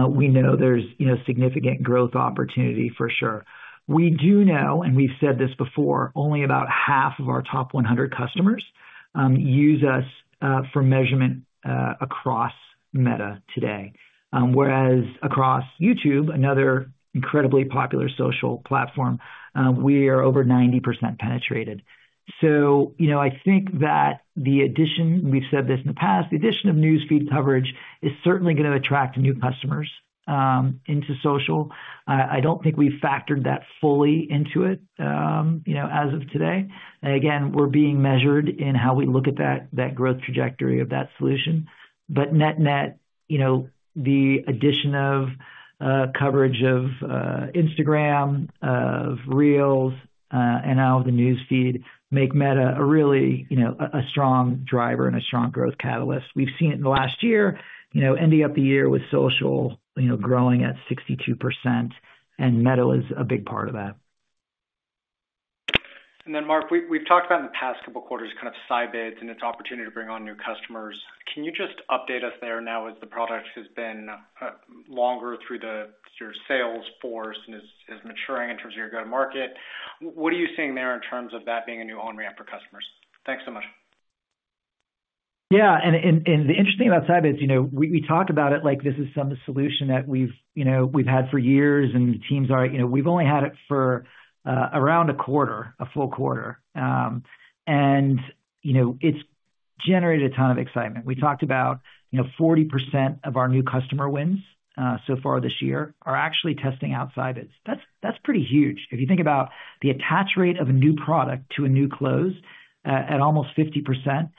we know there's, you know, significant growth opportunity for sure. We do know, and we've said this before, only about half of our top 100 customers use us for measurement across Meta today. Whereas across YouTube, another incredibly popular social platform, we are over 90% penetrated. So, you know, I think that the addition, we've said this in the past, the addition of newsfeed coverage is certainly going to attract new customers into social. I don't think we've factored that fully into it, you know, as of today. Again, we're being measured in how we look at that growth trajectory of that solution. But net-net, you know, the addition of coverage of Instagram, of Reels, and now the News Feed make Meta a really, you know, a strong driver and a strong growth catalyst. We've seen it in the last year, you know, ending up the year with social, you know, growing at 62%, and Meta is a big part of that. And then, Mark, we've talked about in the past couple of quarters kind of Scibids and its opportunity to bring on new customers. Can you just update us there now as the product has been longer through your sales force and is maturing in terms of your go-to market? What are you seeing there in terms of that being a new on-ramp for customers? Thanks so much. Yeah, and the interesting about Scibids, you know, we talked about it like this is some solution that we've, you know, we've had for years, and the teams are—you know, we've only had it for around a quarter, a full quarter. And, you know, it's generated a ton of excitement. We talked about, you know, 40% of our new customer wins, so far this year, are actually testing out Scibids. That's pretty huge. If you think about the attach rate of a new product to a new close, at almost 50%,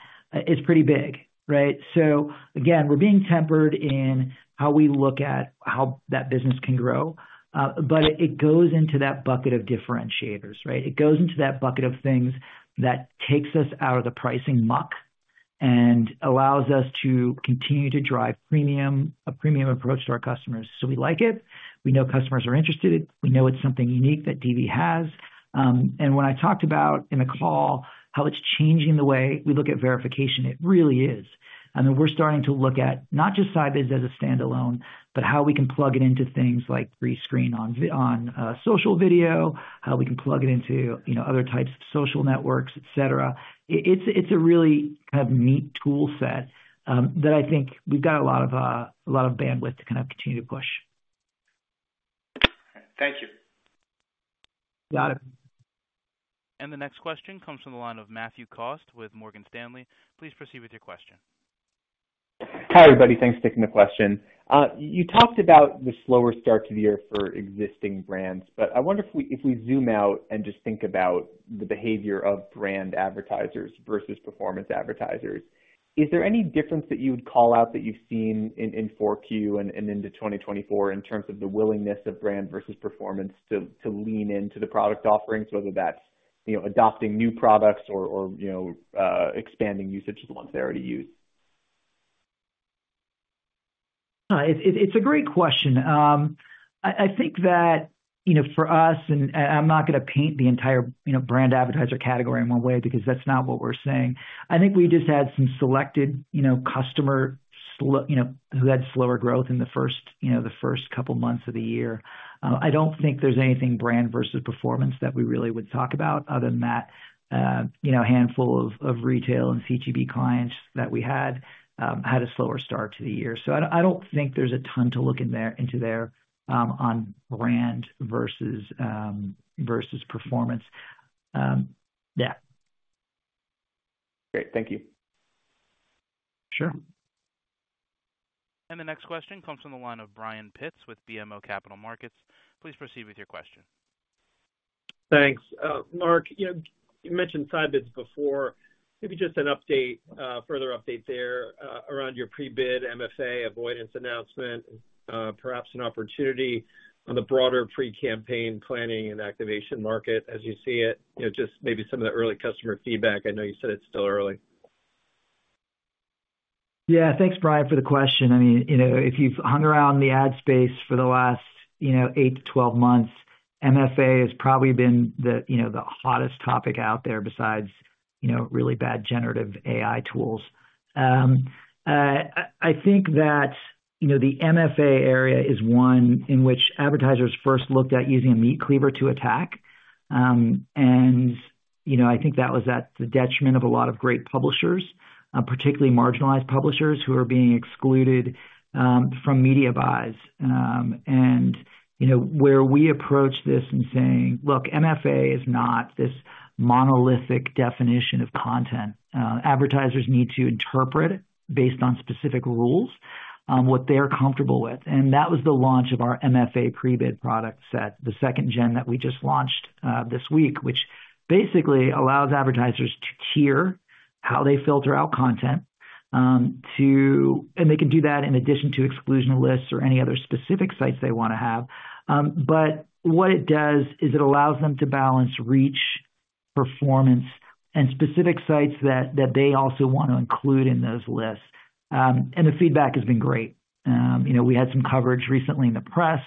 is pretty big, right? So again, we're being tempered in how we look at how that business can grow, but it goes into that bucket of differentiators, right? It goes into that bucket of things that takes us out of the pricing muck and allows us to continue to drive premium, a premium approach to our customers. So we like it. We know customers are interested. We know it's something unique that DV has. And when I talked about in the call, how it's changing the way we look at verification, it really is. I mean, we're starting to look at not just Scibids as a standalone, but how we can plug it into things like Pre-Screen on social video, how we can plug it into, you know, other types of social networks, et cetera. It's a really kind of neat tool set that I think we've got a lot of bandwidth to kind of continue to push. Thank you. Got it. The next question comes from the line of Matthew Cost with Morgan Stanley. Please proceed with your question. Hi, everybody. Thanks for taking the question. You talked about the slower start to the year for existing brands, but I wonder if we zoom out and just think about the behavior of brand advertisers versus performance advertisers, is there any difference that you would call out that you've seen in Q4 and into 2024 in terms of the willingness of brand versus performance to lean into the product offerings, whether that's, you know, adopting new products or, you know, expanding usage of the ones they already use? It's a great question. I think that, you know, for us, and I'm not going to paint the entire, you know, brand advertiser category in one way, because that's not what we're saying. I think we just had some selected, you know, customers who had slower growth in the first, you know, the first couple months of the year. I don't think there's anything brand versus performance that we really would talk about other than that, you know, a handful of retail and CPG clients that we had had a slower start to the year. So, I don't think there's a ton to look into there on brand versus performance. Yeah. Great. Thank you. Sure. The next question comes from the line of Brian Pitz with BMO Capital Markets. Please proceed with your question. Thanks. Mark, you know, you mentioned Scibids before. Maybe just an update, further update there, around your pre-bid MFA avoidance announcement, perhaps an opportunity on the broader pre-campaign planning and activation market as you see it. You know, just maybe some of the early customer feedback. I know you said it's still early. Yeah. Thanks, Brian, for the question. I mean, you know, if you've hung around the ad space for the last, you know, 8-12 months, MFA has probably been the, you know, the hottest topic out there besides, you know, really bad generative AI tools. I think that, you know, the MFA area is one in which advertisers first looked at using a meat cleaver to attack. And, you know, I think that was at the detriment of a lot of great publishers, particularly marginalized publishers, who are being excluded from media buys. And, you know, where we approach this in saying: Look, MFA is not this monolithic definition of content. Advertisers need to interpret based on specific rules, what they're comfortable with, and that was the launch of our MFA pre-bid product set, the second gen that we just launched this week, which basically allows advertisers to tier how they filter out content, and they can do that in addition to exclusion lists or any other specific sites they want to have. But what it does is it allows them to balance reach, performance, and specific sites that they also want to include in those lists. And the feedback has been great. You know, we had some coverage recently in the press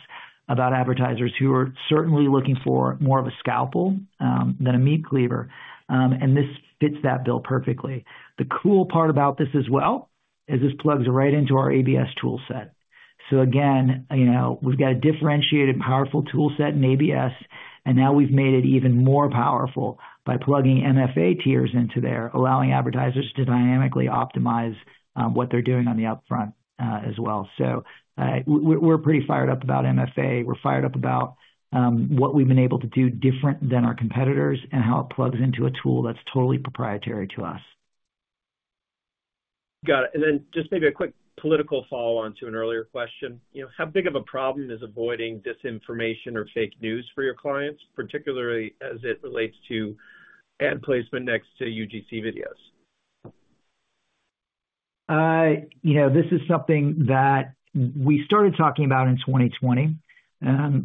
about advertisers who are certainly looking for more of a scalpel than a meat cleaver, and this fits that bill perfectly. The cool part about this as well is this plugs right into our ABS tool set. So again, you know, we've got a differentiated, powerful tool set in ABS, and now we've made it even more powerful by plugging MFA tiers into there, allowing advertisers to dynamically optimize what they're doing on the upfront, as well. So, we're pretty fired up about MFA. We're fired up about what we've been able to do different than our competitors and how it plugs into a tool that's totally proprietary to us. Got it. And then just maybe a quick political follow-on to an earlier question. You know, how big of a problem is avoiding disinformation or fake news for your clients, particularly as it relates to ad placement next to UGC videos? You know, this is something that we started talking about in 2020.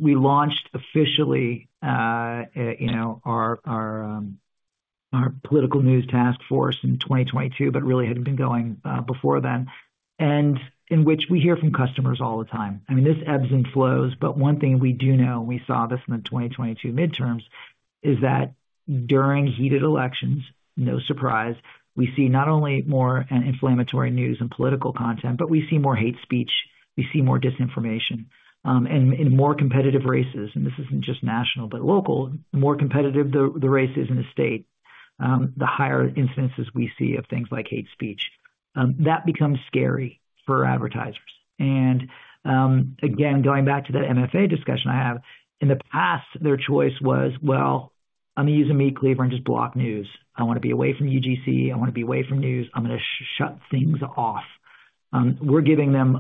We launched officially, you know, our political news task force in 2022, but really had been going before then, and in which we hear from customers all the time. I mean, this ebbs and flows, but one thing we do know, and we saw this in the 2022 midterms, is that during heated elections, no surprise, we see not only more and inflammatory news and political content, but we see more hate speech, we see more disinformation, and in more competitive races, and this isn't just national, but local. More competitive the race is in the state, the higher incidences we see of things like hate speech. That becomes scary for advertisers. Again, going back to the MFA discussion I have, in the past, their choice was, well, I'm going to use a meat cleaver and just block news. I want to be away from UGC. I want to be away from news. I'm going to shut things off. We're giving them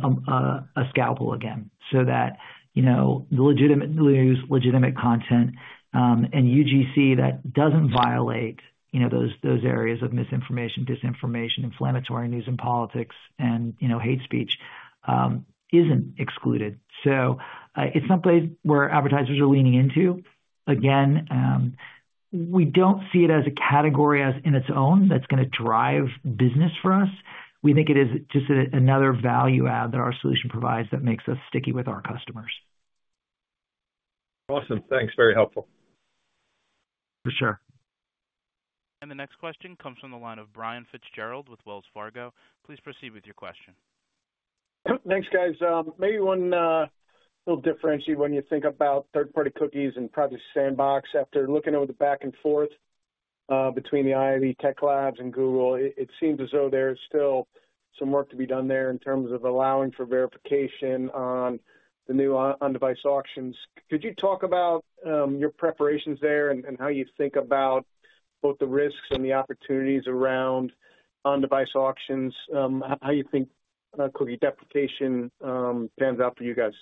a scalpel again, so that, you know, legitimate news, legitimate content, and UGC that doesn't violate, you know, those areas of misinformation, disinformation, inflammatory news and politics, and, you know, hate speech, isn't excluded. So, it's someplace where advertisers are leaning into. Again, we don't see it as a category as in its own that's going to drive business for us. We think it is just another value add that our solution provides that makes us sticky with our customers. Awesome. Thanks. Very helpful. For sure. The next question comes from the line of Brian Fitzgerald with Wells Fargo. Please proceed with your question. Thanks, guys. Maybe one little differentiate when you think about third-party cookies and Privacy Sandbox. After looking over the back and forth between the IAB Tech Lab and Google, it seems as though there's still some work to be done there in terms of allowing for verification on the new on-device auctions. Could you talk about your preparations there and how you think about both the risks and the opportunities around on-device auctions? How you think cookie deprecation pans out for you guys?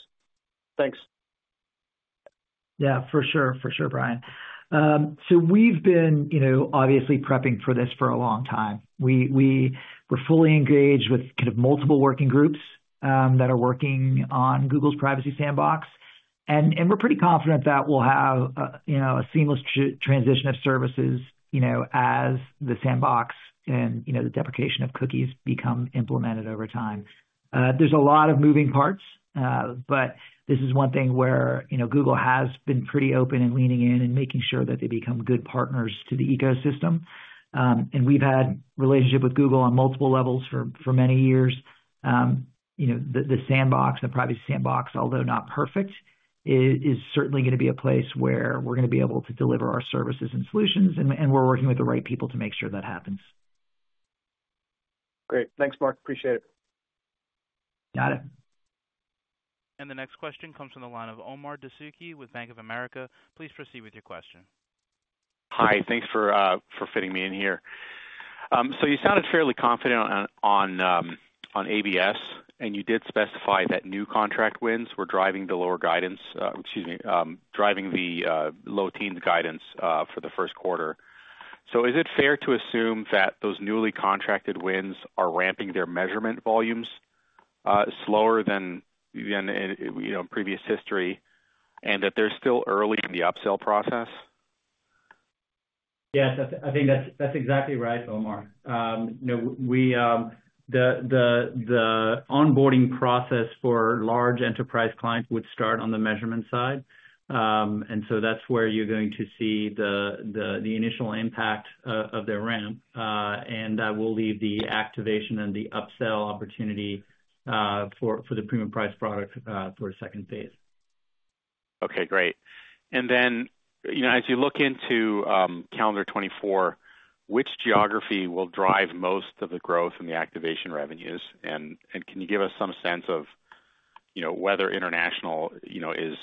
Thanks. Yeah, for sure. For sure, Brian. So, we've been, you know, obviously prepping for this for a long time. We're fully engaged with kind of multiple working groups that are working on Google's Privacy Sandbox, and we're pretty confident that we'll have, you know, a seamless transition of services, you know, as the Sandbox and, you know, the deprecation of cookies become implemented over time. There's a lot of moving parts, but this is one thing where, you know, Google has been pretty open and leaning in and making sure that they become good partners to the ecosystem. And we've had relationship with Google on multiple levels for many years. You know, the Sandbox, the privacy Sandbox, although not perfect, is certainly going to be a place where we're going to be able to deliver our services and solutions, and we're working with the right people to make sure that happens. Great. Thanks, Mark. Appreciate it. Got it. The next question comes from the line of Omar Dessouky with Bank of America. Please proceed with your question. Hi, thanks for fitting me in here. So, you sounded fairly confident on ABS, and you did specify that new contract wins were driving the lower guidance. Excuse me, driving the low teens guidance for the first quarter. So, is it fair to assume that those newly contracted wins are ramping their measurement volumes slower than you know, previous history, and that they're still early in the upsell process? Yes, I think that's exactly right, Omar. You know, we- The onboarding process for large enterprise clients would start on the measurement side. And so that's where you're going to see the initial impact of their ramp, and we'll leave the activation and the upsell opportunity for the premium price product for a second phase. Okay, great. And then, you know, as you look into calendar 2024, which geography will drive most of the growth in the activation revenues? And can you give us some sense of, you know, whether international, you know, is,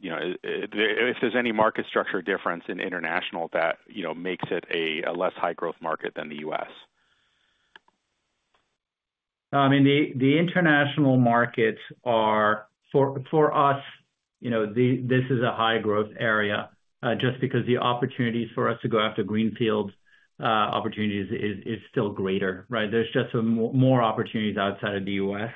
you know, if there's any market structure difference in international that, you know, makes it a less high growth market than the U.S.? No, I mean, the international markets are for us, you know, this is a high growth area, just because the opportunities for us to go after greenfield opportunities is still greater, right? There's just more opportunities outside of the U.S.,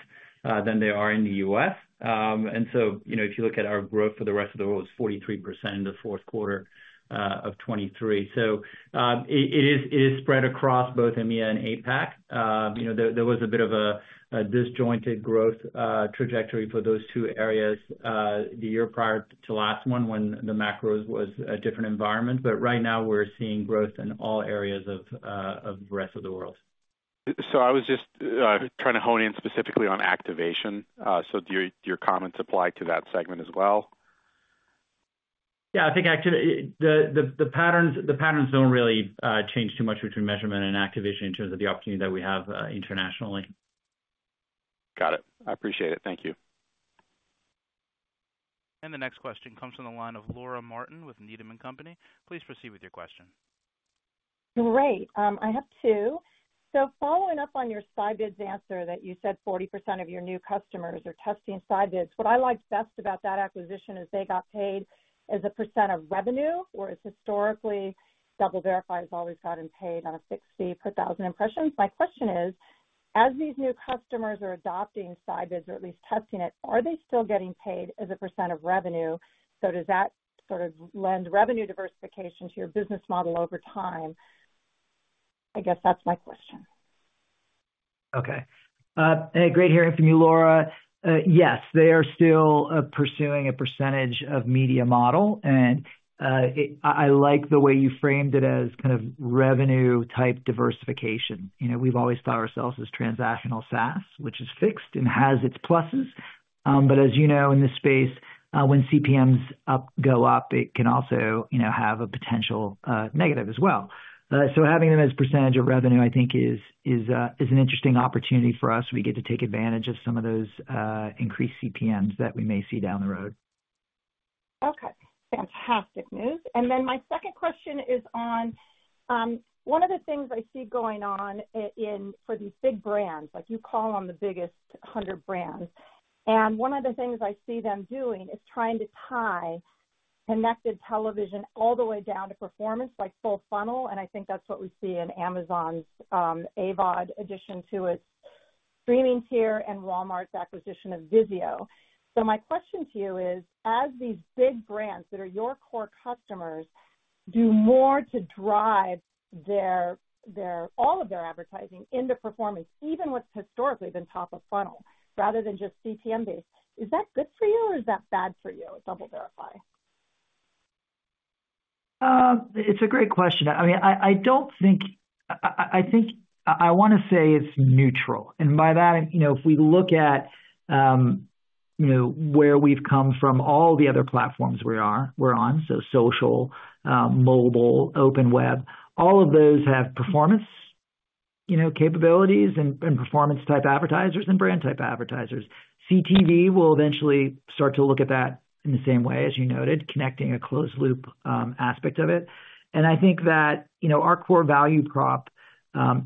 than there are in the U.S. And so, you know, if you look at our growth for the rest of the world, it's 43% in the fourth quarter of 2023. So, it is spread across both EMEA and APAC. You know, there was a bit of a disjointed growth trajectory for those two areas, the year prior to last one, when the macros was a different environment. But right now, we're seeing growth in all areas of the rest of the world. I was just trying to hone in specifically on activation. Do your comments apply to that segment as well? Yeah, I think the patterns don't really change too much between measurement and activation in terms of the opportunity that we have internationally. Got it. I appreciate it. Thank you. The next question comes from the line of Laura Martin with Needham and Company. Please proceed with your question. Great. I have two. So, following up on your Scibids answer, that you said 40% of your new customers are testing Scibids. What I liked best about that acquisition is they got paid as a % of revenue, whereas historically, DoubleVerify has always gotten paid on a 60 per 1,000 impressions. My question is, as these new customers are adopting Scibids or at least testing it, are they still getting paid as a percent of revenue? So, does that sort of lend revenue diversification to your business model over time? I guess that's my question. Okay. Great hearing from you, Laura. Yes, they are still pursuing a percentage of media model, and it I like the way you framed it as kind of revenue-type diversification. You know, we've always thought of ourselves as transactional SaaS, which is fixed and has its pluses. But as you know, in this space, when CPMs go up, it can also, you know, have a potential negative as well. So having them as percentage of revenue, I think, is an interesting opportunity for us. We get to take advantage of some of those increased CPMs that we may see down the road. Okay, fantastic news. Then my second question is on one of the things I see going on in for these big brands, like you call on the biggest 100 brands, and one of the things I see them doing is trying to tie connected television all the way down to performance, like full funnel. I think that's what we see in Amazon's AVOD addition to its streaming tier and Walmart's acquisition of Vizio. So my question to you is, as these big brands that are your core customers do more to drive their all of their advertising into performance, even what's historically been top of funnel, rather than just CPM-based, is that good for you, or is that bad for you at DoubleVerify? It's a great question. I mean, I don't think... I think I want to say it's neutral. And by that, you know, if we look at, you know, where we've come from, all the other platforms we're on, so social, mobile, open web, all of those have performance, you know, capabilities and performance-type advertisers and brand-type advertisers. CTV will eventually start to look at that in the same way as you noted, connecting a closed loop aspect of it. And I think that, you know, our core value prop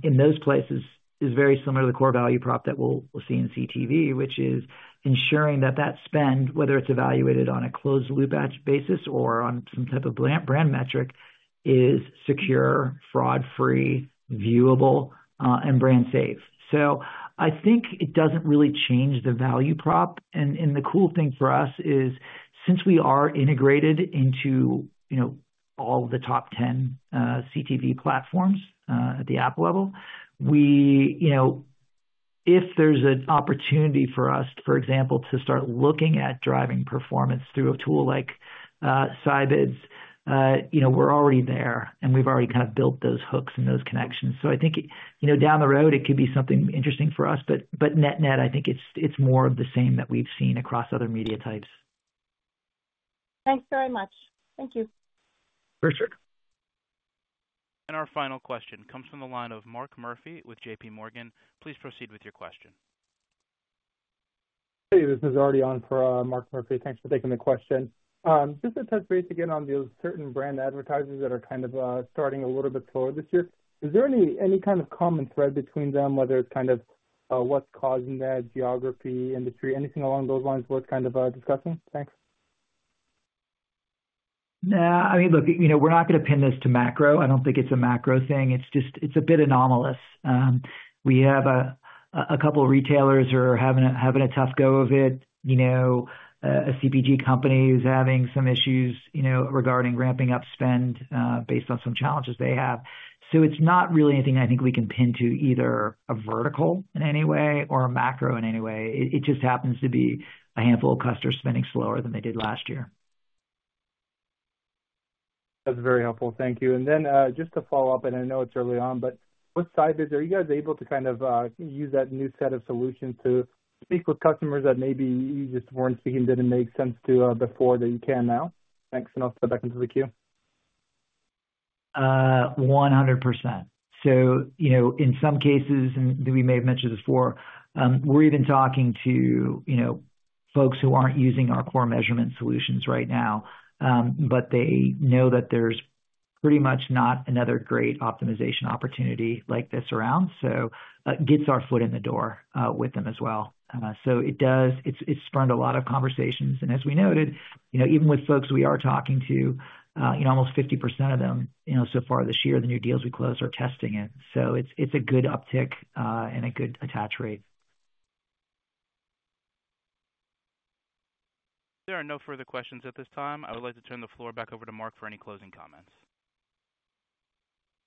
in those places is very similar to the core value prop that we'll see in CTV, which is ensuring that spend, whether it's evaluated on a closed loop batch basis or on some type of brand metric, is secure, fraud-free, viewable, and brand safe. So I think it doesn't really change the value prop. And the cool thing for us is, since we are integrated into, you know, all the top 10 CTV platforms at the app level, we, you know, if there's an opportunity for us, for example, to start looking at driving performance through a tool like Scibids, you know, we're already there, and we've already kind of built those hooks and those connections. So I think, you know, down the road, it could be something interesting for us. But net-net, I think it's more of the same that we've seen across other media types. Thanks very much. Thank you. Our final question comes from the line of Mark Murphy with JPMorgan. Please proceed with your question. Hey, this is Arti on for Mark Murphy. Thanks for taking the question. Just to touch base again on those certain brand advertisers that are kind of starting a little bit slower this year. Is there any kind of common thread between them, whether it's kind of what's causing that, geography, industry, anything along those lines worth kind of discussing? Thanks. Nah, I mean, look, you know, we're not going to pin this to macro. I don't think it's a macro thing. It's just a bit anomalous. We have a couple of retailers who are having a tough go of it, you know, a CPG company who's having some issues, you know, regarding ramping up spend based on some challenges they have. So, it's not really anything I think we can pin to either a vertical in any way or a macro in any way. It just happens to be a handful of customers spending slower than they did last year. That's very helpful. Thank you. And then, just to follow up, and I know it's early on, but with Scibids, are you guys able to kind of, use that new set of solutions to speak with customers that maybe you just weren't speaking, didn't make sense to, before, that you can now? Thanks, and I'll step back into the queue. 100%. So, you know, in some cases, and we may have mentioned this before, we're even talking to, you know, folks who aren't using our core measurement solutions right now, but they know that there's pretty much not another great optimization opportunity like this around, so, gets our foot in the door, with them as well. So, it does... It's spawned a lot of conversations. And as we noted, you know, even with folks we are talking to, you know, almost 50% of them, you know, so far this year, the new deals we closed are testing it. So, it's a good uptick, and a good attach rate. There are no further questions at this time. I would like to turn the floor back over to Mark for any closing comments.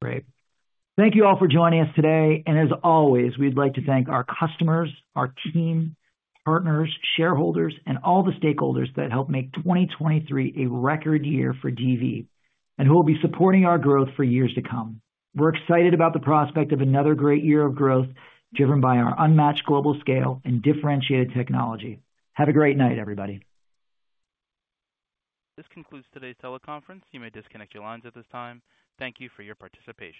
Great. Thank you all for joining us today, and as always, we'd like to thank our customers, our team, partners, shareholders, and all the stakeholders that helped make 2023 a record year for DV and who will be supporting our growth for years to come. We're excited about the prospect of another great year of growth, driven by our unmatched global scale and differentiated technology. Have a great night, everybody. This concludes today's teleconference. You may disconnect your lines at this time. Thank you for your participation.